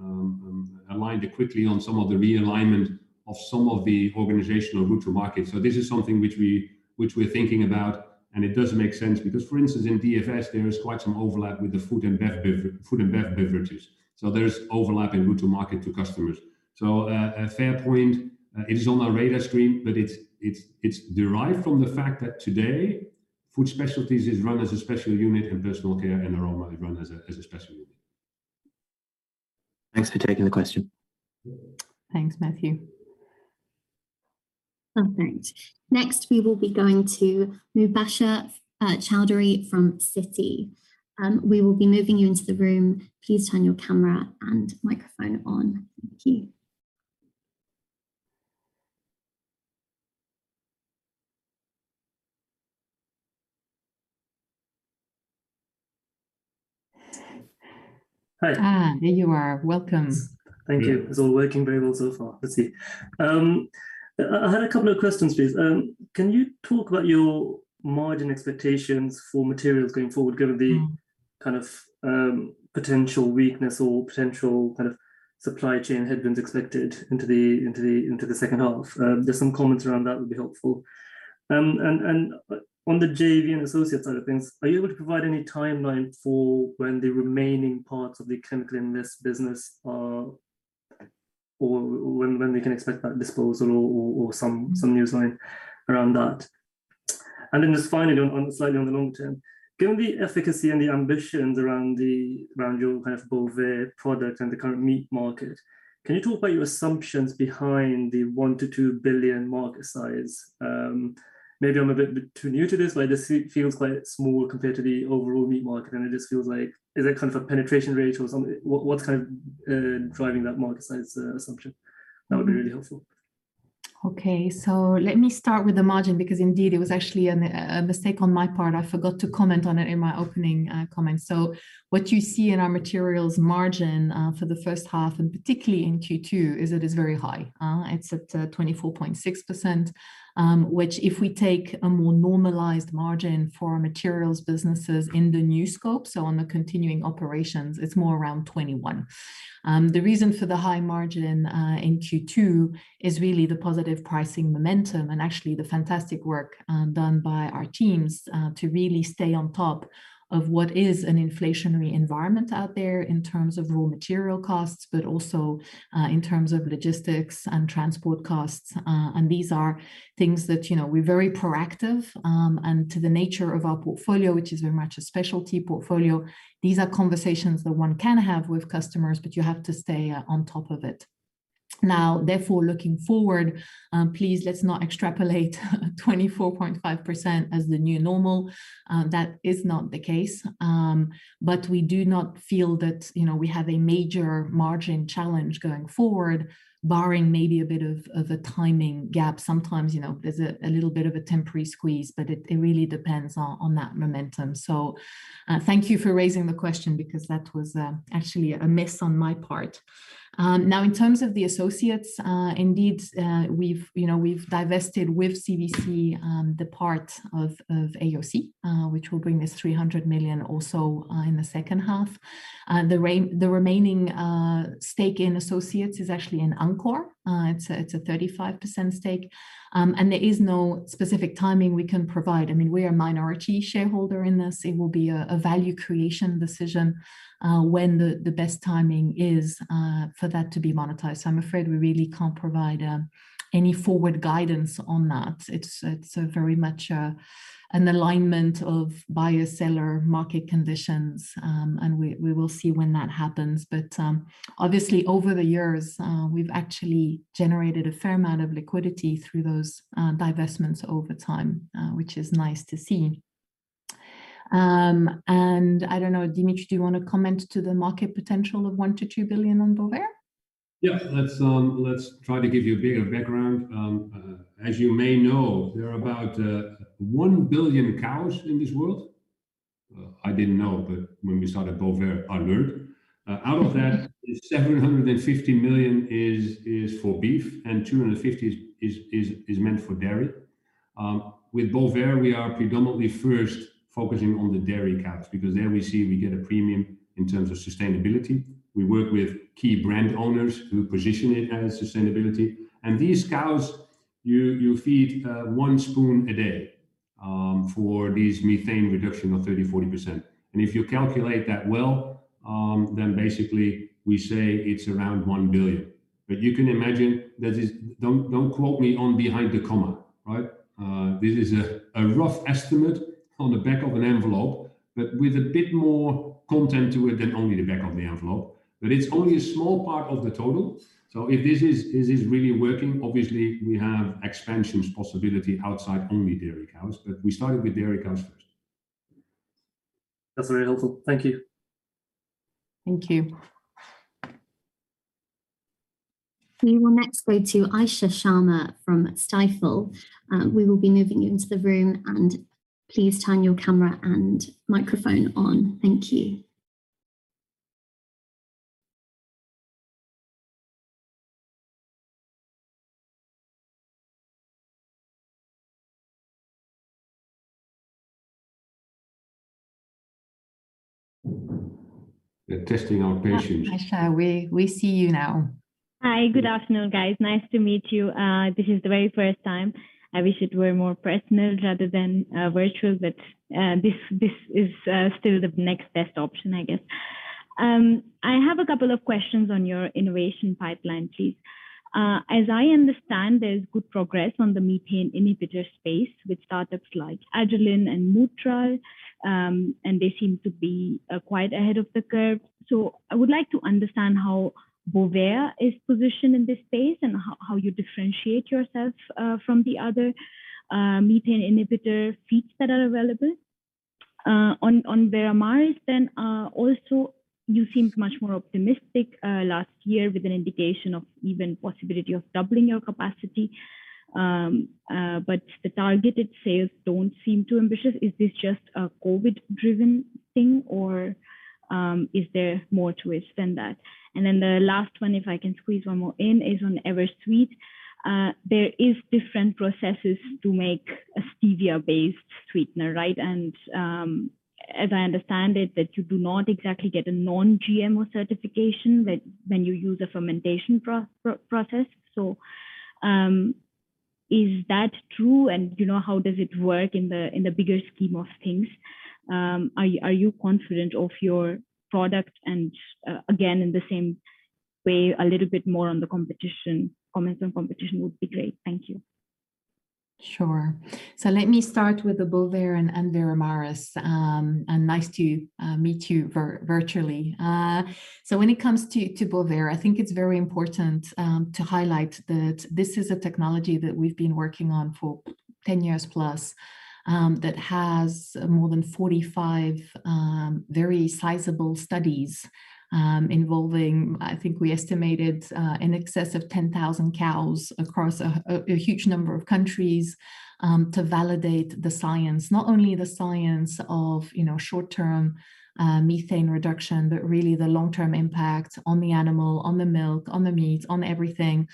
aligned quickly on some of the realignment of some of the organizational route to market. This is something which we're thinking about, and it does make sense because, for instance, in DFS, there is quite some overlap with the food and beverages. There's overlap in route to market to customers. A fair point. It is on our radar screen, but it's derived from the fact that today Food Specialties is run as a special unit, and Personal Care and Aroma is run as a special unit. Thanks for taking the question. Thanks, Matthew. Perfect. Next, we will be going to Mubasher Chaudhry from Citi. We will be moving you into the room. Please turn your camera and microphone on. Thank you. Hi. There you are. Welcome. Thank you. It's all working very well so far. Let's see. I had a couple of questions, please. Can you talk about your margin expectations for materials going forward, given the kind of potential weakness or potential kind of supply chain headwinds expected into the second half? If there's some comments around that, would be helpful. On the JV and associates side of things, are you able to provide any timeline for when the remaining parts of the ChemicaInvest business are, or when they can expect that disposal or some newsline around that? Then just finally, on slightly on the long term, given the efficacy and the ambitions around your kind of Bovaer product and the current meat market, can you talk about your assumptions behind the $1 billion-$2 billion market size? Maybe I'm a bit too new to this, but this feels quite small compared to the overall meat market, and it just feels like, is that kind of a penetration rate or something? What's kind of driving that market size assumption? That would be really helpful. Let me start with the margin, because indeed it was actually a mistake on my part. I forgot to comment on it in my opening comments. What you see in our materials margin for the first half, and particularly in Q2, is it is very high. It is at 24.6%, which if we take a more normalized margin for our materials businesses in the new scope, so on the continuing operations, it is more around 21%. The reason for the high margin in Q2 is really the positive pricing momentum and actually the fantastic work done by our teams to really stay on top of what is an inflationary environment out there in terms of raw material costs, but also in terms of logistics and transport costs. These are things that we are very proactive, and to the nature of our portfolio, which is very much a specialty portfolio. These are conversations that one can have with customers. You have to stay on top of it. Therefore, looking forward, please let's not extrapolate 24.5% as the new normal. That is not the case. We do not feel that we have a major margin challenge going forward, barring maybe a bit of a timing gap. Sometimes there's a little bit of a temporary squeeze. It really depends on that momentum. Thank you for raising the question because that was actually a miss on my part. In terms of the associates, indeed we've divested with CVC the part of AOC which will bring us 300 million also in the second half. The remaining stake in associates is actually in AnQore. It's a 35% stake. There is no specific timing we can provide. I mean, we are a minority shareholder in this. It will be a value creation decision when the best timing is for that to be monetized. I'm afraid we really can't provide any forward guidance on that. It's very much an alignment of buyer-seller market conditions, and we will see when that happens. Obviously over the years, we've actually generated a fair amount of liquidity through those divestments over time, which is nice to see. I don't know, Dimitri, do you want to comment to the market potential of $1 billion-$2 billion on Bovaer? Yeah, let's try to give you a bit of background. As you may know, there are about 1 billion cows in this world. I didn't know. When we started Bovaer, I learned. Out of that, 750 million is for beef. 250 is meant for dairy. With Bovaer, we are predominantly first focusing on the dairy cows because there we see we get a premium in terms of sustainability. We work with key brand owners who position it as sustainability. These cows, you feed one spoon a day for these methane reduction of 30%-40%. If you calculate that well, basically we say it's around 1 billion. You can imagine that is Don't quote me on behind the comma. This is a rough estimate on the back of an envelope, but with a bit more content to it than only the back of the envelope. It's only a small part of the total. If this is really working, obviously we have expansions possibility outside only dairy cows, but we started with dairy cows first. That's very helpful. Thank you. Thank you. We will next go to Isha Sharma from Stifel. We will be moving you into the room, please turn your camera and microphone on. Thank you. They're testing our patience. Isha, we see you now. Hi, good afternoon, guys. Nice to meet you. This is the very first time. I wish it were more personal rather than virtual, but this is still the next best option, I guess. I have a couple of questions on your innovation pipeline, please. As I understand, there's good progress on the methane inhibitor space with startups like Agolin and Mootral, and they seem to be quite ahead of the curve. I would like to understand how Bovaer is positioned in this space and how you differentiate yourself from the other methane inhibitor feeds that are available. On Veramaris, then, also you seemed much more optimistic last year with an indication of even possibility of doubling your capacity. The targeted sales don't seem too ambitious. Is this just a COVID-driven thing, or is there more to it than that? The last one, if I can squeeze one more in, is on EverSweet. There is different processes to make a stevia-based sweetener, right? As I understand it, that you do not exactly get a non-GMO certification when you use a fermentation process. Is that true and how does it work in the bigger scheme of things? Are you confident of your product? Just, again, in the same way, a little bit more on the comments on competition would be great. Thank you. Sure. Let me start with the Bovaer and Veramaris, and nice to meet you virtually. When it comes to Bovaer, I think it's very important to highlight that this is a technology that we've been working on for 10 years plus, that has more than 45 very sizable studies involving, I think we estimated, in excess of 10,000 cows across a huge number of countries, to validate the science. Not only the science of short-term methane reduction, but really the long-term impact on the animal, on the milk, on the meat, on everything.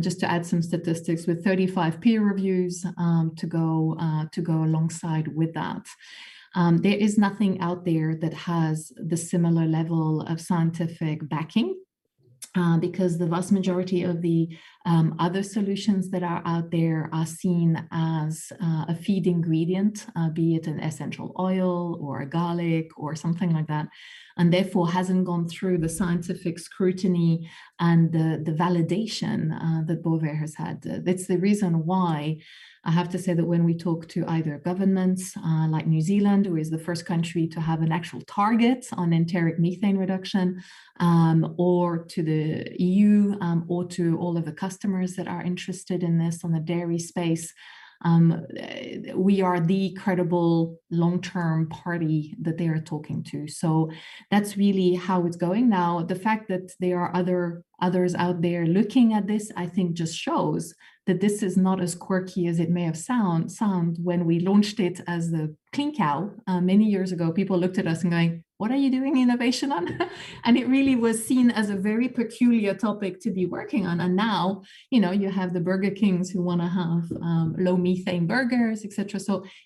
Just to add some statistics, with 35 peer reviews to go alongside with that. There is nothing out there that has the similar level of scientific backing, because the vast majority of the other solutions that are out there are seen as a feed ingredient, be it an essential oil or a garlic or something like that, and therefore hasn't gone through the scientific scrutiny and the validation that Bovaer has had. That's the reason why I have to say that when we talk to either governments like New Zealand, who is the first country to have an actual target on enteric methane reduction, or to the E.U., or to all of the customers that are interested in this on the dairy space, we are the credible long-term party that they are talking to. That's really how it's going. The fact that there are others out there looking at this, I think just shows that this is not as quirky as it may have sounded when we launched it as the Clean Cow many years ago. People looked at us and going, "What are you doing the innovation on?" It really was seen as a very peculiar topic to be working on. Now, you have the Burger Kings who want to have low methane burgers, et cetera.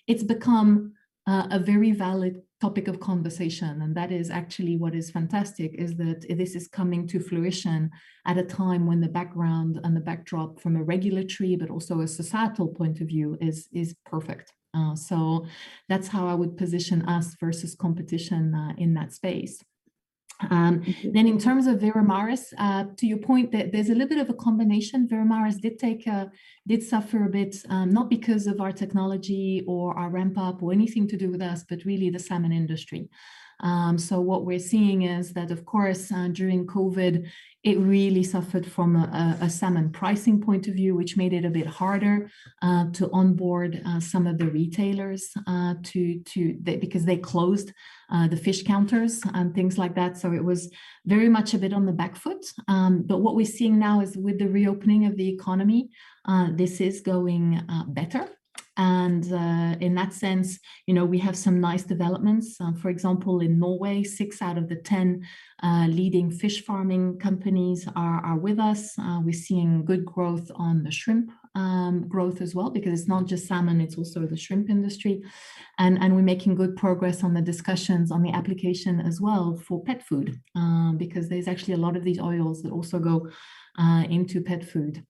It's become a very valid topic of conversation, and that is actually what is fantastic is that this is coming to fruition at a time when the background and the backdrop from a regulatory, but also a societal point of view is perfect. That's how I would position us versus competition in that space. In terms of Veramaris, to your point, there's a little bit of a combination. Veramaris did suffer a bit, not because of our technology or our ramp up or anything to do with us, but really the salmon industry. What we're seeing is that, of course, during COVID, it really suffered from a salmon pricing point of view, which made it a bit harder to onboard some of the retailers because they closed the fish counters and things like that. It was very much a bit on the back foot. What we're seeing now is with the reopening of the economy, this is going better. In that sense, we have some nice developments. For example, in Norway, six out of the 10 leading fish farming companies are with us. We're seeing good growth on the shrimp growth as well, because it's not just salmon, it's also the shrimp industry. We're making good progress on the discussions on the application as well for pet food, because there's actually a lot of these oils that also go into pet food.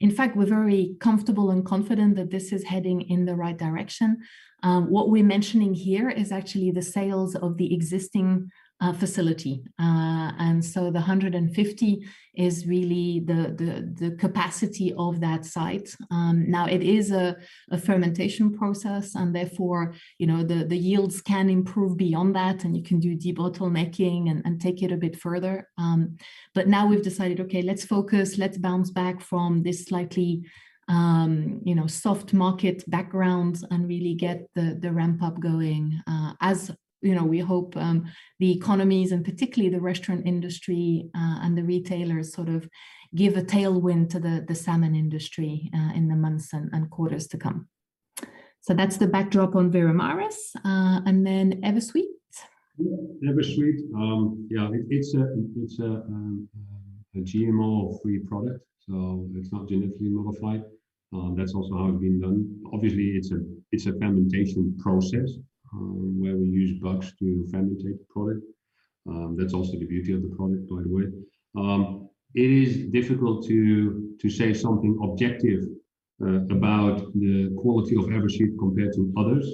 In fact, we're very comfortable and confident that this is heading in the right direction. What we're mentioning here is actually the sales of the existing facility. The 150 is really the capacity of that site. Now it is a fermentation process and therefore, the yields can improve beyond that and you can do debottlenecking and take it a bit further. Now we've decided, okay, let's focus, let's bounce back from this slightly soft market background and really get the ramp-up going. As we hope the economies and particularly the restaurant industry, and the retailers sort of give a tailwind to the salmon industry, in the months and quarters to come. That's the backdrop on Veramaris. EverSweet? Yeah. EverSweet. Yeah, it's a GMO-free product, so it's not genetically modified. That's also how it's been done. Obviously, it's a fermentation process, where we use bugs to ferment the product. That's also the beauty of the product, by the way. It is difficult to say something objective about the quality of EverSweet compared to others,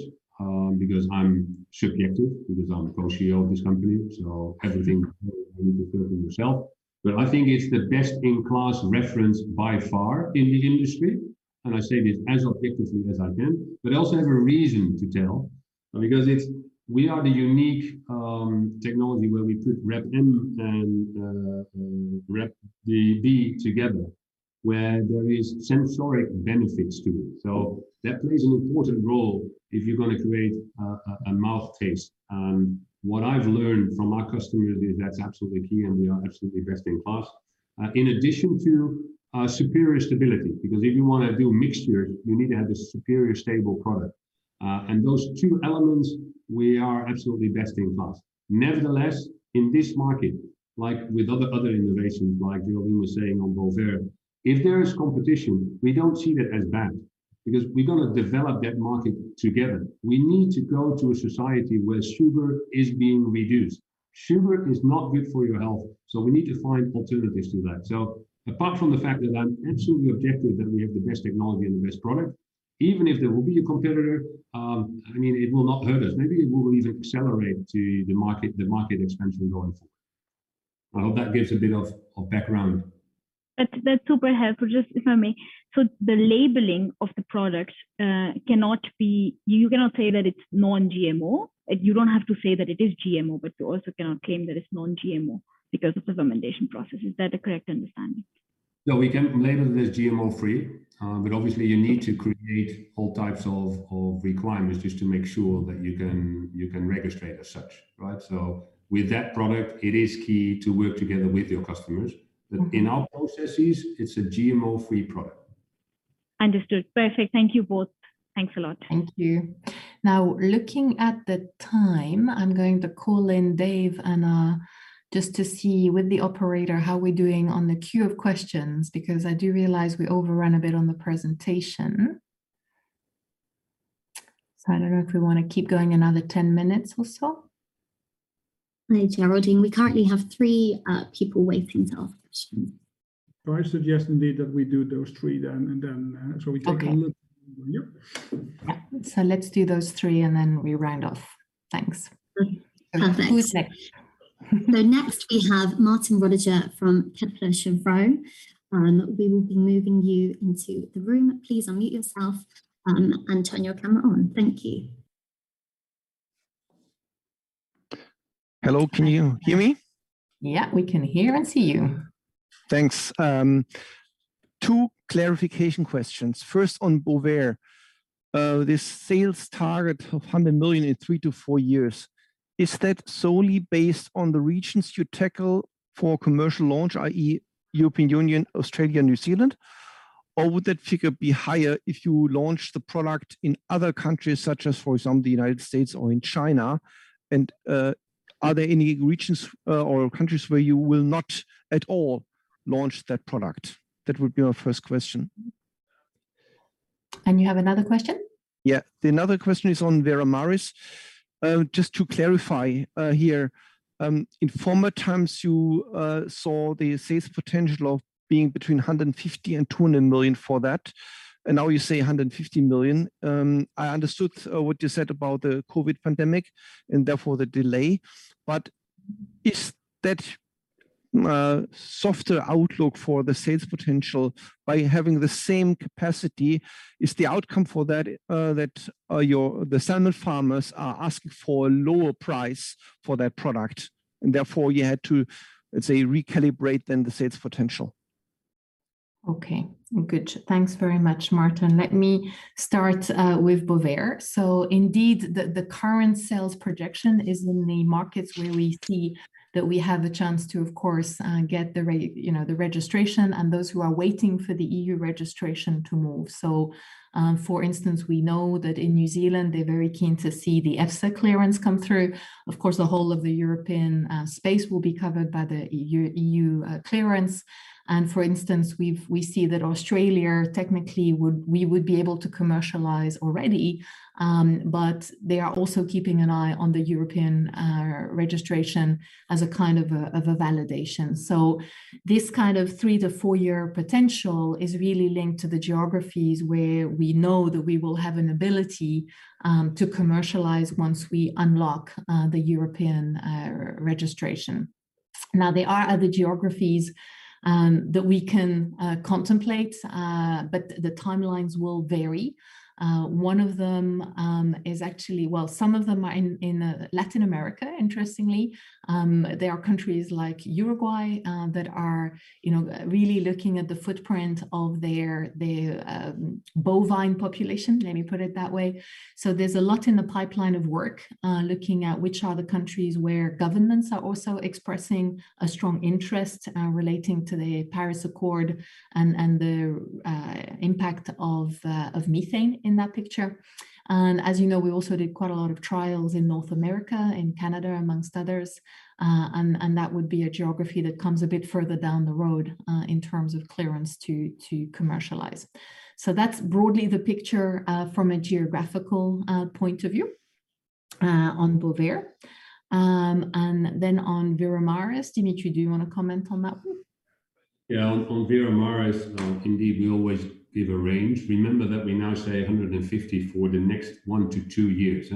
because I'm subjective, because I'm the co-CEO of this company, so everything you refer to yourself. I think it's the best-in-class reference by far in the industry, and I say this as objectively as I can, but I also have a reason to tell. We are the unique technology where we put Reb M and Reb D together, where there is sensory benefits to it. That plays an important role if you're going to create a mouth taste. What I've learned from our customers is that's absolutely key, and we are absolutely best-in-class. In addition to superior stability, because if you want to do mixtures, you need to have a superior stable product. Those two elements, we are absolutely best-in-class. Nevertheless, in this market, like with other innovations, like Geraldine was saying on Bovaer, if there is competition, we don't see that as bad, because we're going to develop that market together. We need to go to a society where sugar is being reduced. Sugar is not good for your health, so we need to find alternatives to that. Apart from the fact that I'm absolutely objective that we have the best technology and the best product, even if there will be a competitor, it will not hurt us. Maybe it will even accelerate the market expansion going forward. I hope that gives a bit of background. That's super helpful. Just if I may, the labeling of the product, you cannot say that it's non-GMO. You don't have to say that it is GMO, but you also cannot claim that it's non-GMO because of the fermentation process. Is that a correct understanding? No, we can label it as GMO-free. Obviously you need to create all types of requirements just to make sure that you can register it as such, right. With that product, it is key to work together with your customers. In our processes, it's a GMO-free product. Understood. Perfect. Thank you both. Thanks a lot. Thank you. Looking at the time, I'm going to call in Dave Huizing, just to see with the operator how we're doing on the queue of questions, because I do realize we overrun a bit on the presentation. I don't know if we want to keep going another 10 minutes or so. Hi Geraldine. We currently have three people waiting to ask questions. I suggest indeed that we do those 3 then. Okay a look. Yep. Let's do those three and then we round off. Thanks. Perfect. Who's next? Next we have Martin Roediger from Kepler Cheuvreux, we will be moving you into the room. Please unmute yourself, turn your camera on. Thank you. Hello, can you hear me? Yeah, we can hear and see you. Thanks. Two clarification questions. First on Bovaer. This sales target of 100 million in 3-4 years, is that solely based on the regions you tackle for commercial launch, i.e. European Union, Australia, New Zealand, or would that figure be higher if you launch the product in other countries, such as, for example, the United States or in China? Are there any regions or countries where you will not at all launch that product? That would be my first question. You have another question? Yeah. The other question is on Veramaris. Just to clarify here, in former times you saw the sales potential of being between 150 million and 200 million for that, and now you say 150 million. I understood what you said about the COVID pandemic and therefore the delay, but is that softer outlook for the sales potential by having the same capacity, is the outcome for that the salmon farmers are asking for a lower price for that product and therefore you had to, let's say, recalibrate then the sales potential? Okay, good. Thanks very much, Martin. Let me start with Bovaer. Indeed, the current sales projection is in the markets where we see that we have a chance to, of course, get the registration, and those who are waiting for the E.U. registration to move. For instance, we know that in New Zealand, they're very keen to see the EFSA clearance come through. Of course, the whole of the European space will be covered by the E.U. clearance. For instance, we see that Australia, technically, we would be able to commercialize already, but they are also keeping an eye on the European registration as a kind of a validation. This kind of three-to-four-year potential is really linked to the geographies where we know that we will have an ability to commercialize once we unlock the European registration. There are other geographies that we can contemplate, but the timelines will vary. One of them is actually, some of them are in Latin America, interestingly. There are countries like Uruguay that are really looking at the footprint of their bovine population, let me put it that way. There's a lot in the pipeline of work looking at which are the countries where governments are also expressing a strong interest relating to the Paris Agreement and the impact of methane in that picture. As you know, we also did quite a lot of trials in North America, in Canada, amongst others, and that would be a geography that comes a bit further down the road in terms of clearance to commercialize. That's broadly the picture from a geographical point of view on Bovaer. On Veramaris, Dimitri, do you want to comment on that one? On Veramaris, indeed, we always give a range. Remember that we now say 150 for the next 1-2 years. I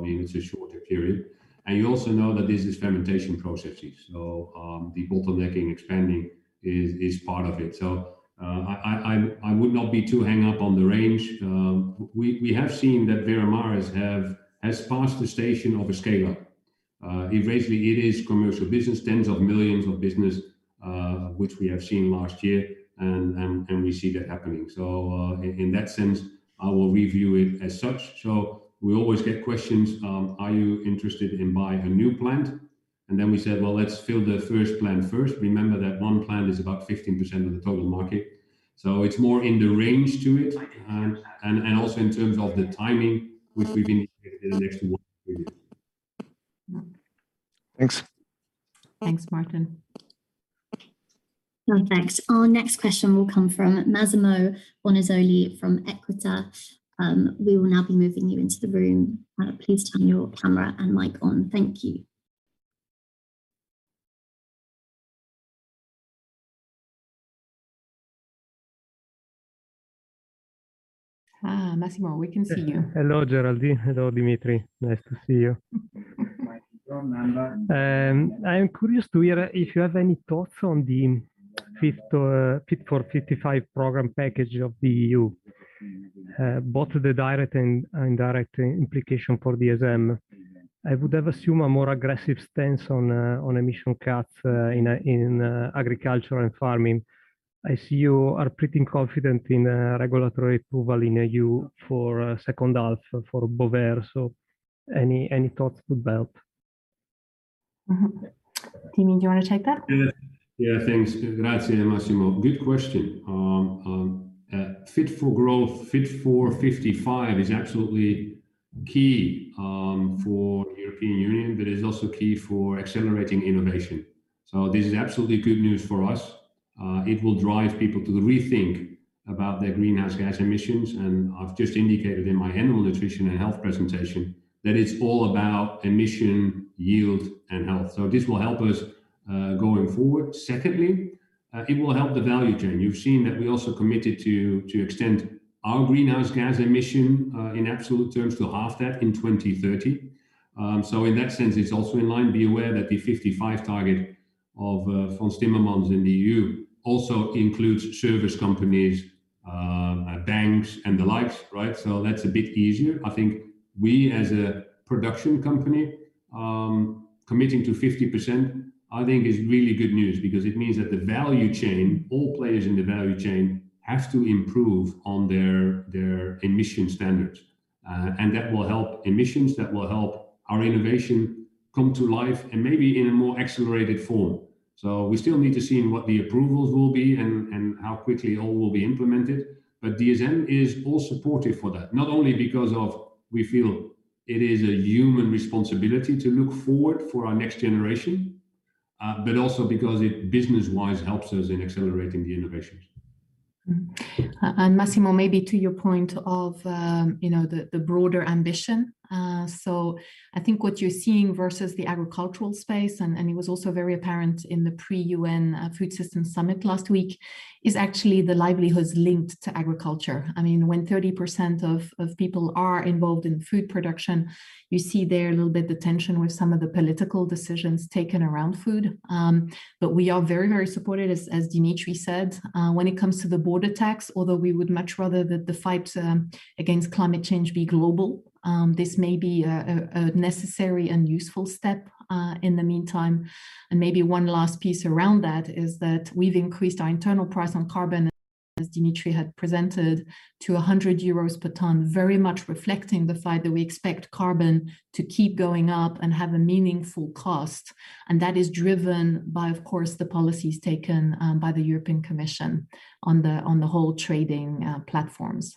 mean, it's a shorter period. You also know that this is fermentation processes, so debottlenecking expanding is part of it. I would not be too hang up on the range. We have seen that Veramaris has passed the station of a scale-up. Eventually it is commercial business, tens of millions of EUR business, which we have seen last year, and we see that happening. In that sense, I will review it as such. We always get questions, "Are you interested in buying a new plant?" We said, "Well, let's fill the first plant first." Remember that one plant is about 15% of the total market, so it's more in the range to it, and also in terms of the timing, which we've indicated in the next one to two years. Thanks. Thanks, Martin. No, thanks. Our next question will come from Massimo Bonisoli from Equita. We will now be moving you into the room. Please turn your camera and mic on. Thank you. Massimo, we can see you. Hello, Geraldine. Hello, Dimitri. Nice to see you. Massimo from London. I am curious to hear if you have any thoughts on the Fit for 55 program package of the E.U., both the direct and indirect implication for DSM. I would have assumed a more aggressive stance on emission cuts in agriculture and farming. I see you are pretty confident in regulatory approval in E.U. for second half for Bovaer. Any thoughts about? Dimitri, do you want to take that? Yeah, thanks. Geraldine, Massimo. Good question. Fit for Growth, Fit for 55 is absolutely key for the European Union, is also key for accelerating innovation. This is absolutely good news for us. It will drive people to rethink about their greenhouse gas emissions, I've just indicated in my animal nutrition and health presentation that it's all about emission yield and health. This will help us going forward. Secondly, it will help the value chain. You've seen that we also committed to extend our greenhouse gas emission in absolute terms to half that in 2030. In that sense, it's also in line. Be aware that the '55 target of von der Leyen's in the E.U. also includes service companies, banks, and the likes. That's a bit easier. I think we, as a production company, committing to 50%, I think is really good news because it means that the value chain, all players in the value chain, have to improve on their emission standards. That will help emissions, that will help our innovation come to life and maybe in a more accelerated form. We still need to see what the approvals will be and how quickly all will be implemented. DSM is all supportive for that, not only because of we feel it is a human responsibility to look forward for our next generation, but also because it business-wise helps us in accelerating the innovations. Massimo, maybe to your point of the broader ambition. I think what you're seeing versus the agricultural space, and it was also very apparent in the pre-UN Food Systems Summit last week, is actually the livelihoods linked to agriculture. I mean, when 30% of people are involved in food production, you see there a little bit the tension with some of the political decisions taken around food. We are very, very supportive, as Dimitri said, when it comes to the border tax, although we would much rather that the fight against climate change be global. This may be a necessary and useful step in the meantime. Maybe one last piece around that is that we've increased our internal price on carbon. As Dimitri had presented, to 100 euros per ton, very much reflecting the fact that we expect carbon to keep going up and have a meaningful cost. That is driven by, of course, the policies taken by the European Commission on the whole trading platforms.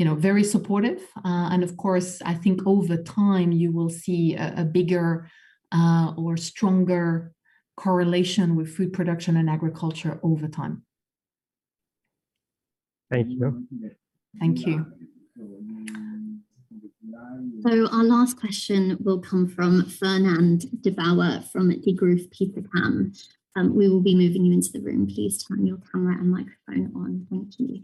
Very supportive. Of course, I think over time, you will see a bigger or stronger correlation with food production and agriculture over time. Thank you. Thank you. Our last question will come from Fernand de Boer from Degroof Petercam. We will be moving you into the room. Please turn your camera and microphone on. Thank you.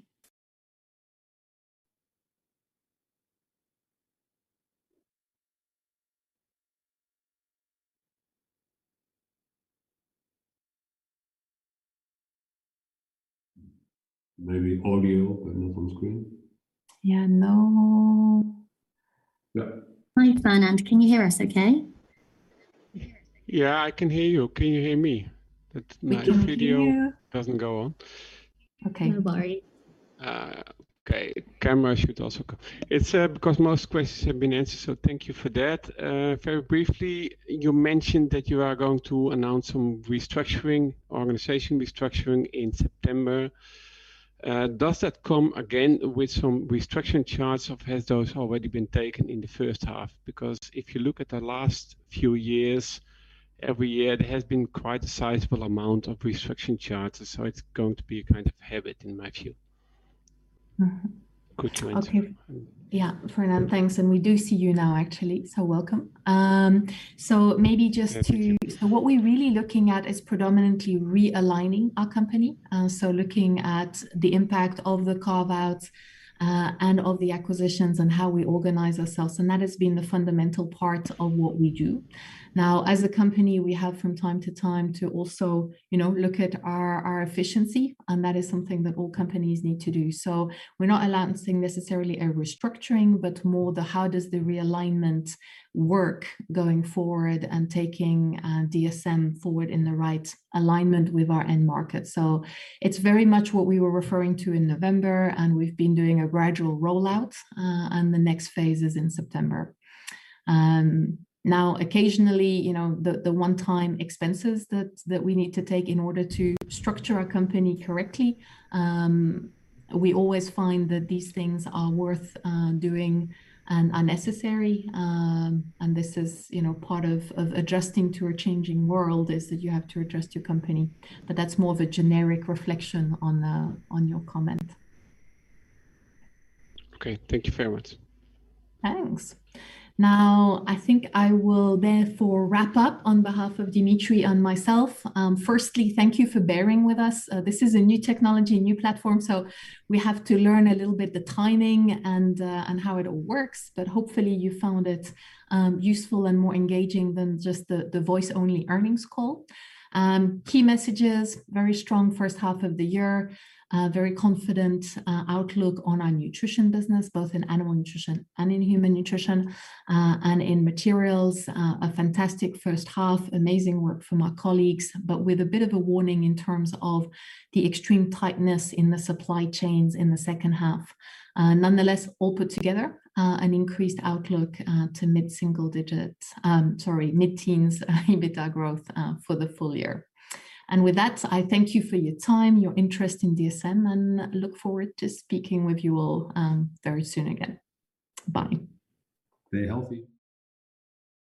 Maybe audio, but not on screen? Yeah, no. No. Hi, Fernand. Can you hear us okay? Yeah, I can hear you. Can you hear me? We can hear you. My video doesn't go on. Okay. Sorry. Okay. Camera should also. It's because most questions have been answered, thank you for that. Very briefly, you mentioned that you are going to announce some organization restructuring in September. Does that come again with some restructuring charges, or have those already been taken in the first half? If you look at the last few years, every year there has been quite a sizable amount of restructuring charges, it's going to be a kind of habit in my view. Could you answer? Okay. Yeah, Fernand, thanks. We do see you now, actually, so welcome. Thank you. What we're really looking at is predominantly realigning our company. Looking at the impact of the carve-outs, and of the acquisitions, and how we organize ourselves, and that has been the fundamental part of what we do. Now, as a company, we have from time to time to also look at our efficiency, and that is something that all companies need to do. We're not announcing necessarily a restructuring, but more the how does the realignment work going forward and taking DSM forward in the right alignment with our end market. It's very much what we were referring to in November, and we've been doing a gradual rollout, and the next phase is in September. Now, occasionally, the one-time expenses that we need to take in order to structure our company correctly, we always find that these things are worth doing and are necessary. This is part of adjusting to a changing world, is that you have to adjust your company. That's more of a generic reflection on your comment. Okay. Thank you very much. Thanks. I think I will therefore wrap up on behalf of Dimitri and myself. Firstly, thank you for bearing with us. This is a new technology, a new platform, so we have to learn a little bit the timing and how it all works. Hopefully, you found it useful and more engaging than just the voice-only earnings call. Key messages, very strong first half of the year. Very confident outlook on our Nutrition business, both in Animal Nutrition and in Human Nutrition. In Materials, a fantastic first half, amazing work from our colleagues, but with a bit of a warning in terms of the extreme tightness in the supply chains in the second half. All put together, an increased outlook to mid-teens EBITDA growth for the full year. With that, I thank you for your time, your interest in DSM, and look forward to speaking with you all very soon again. Bye. Stay healthy.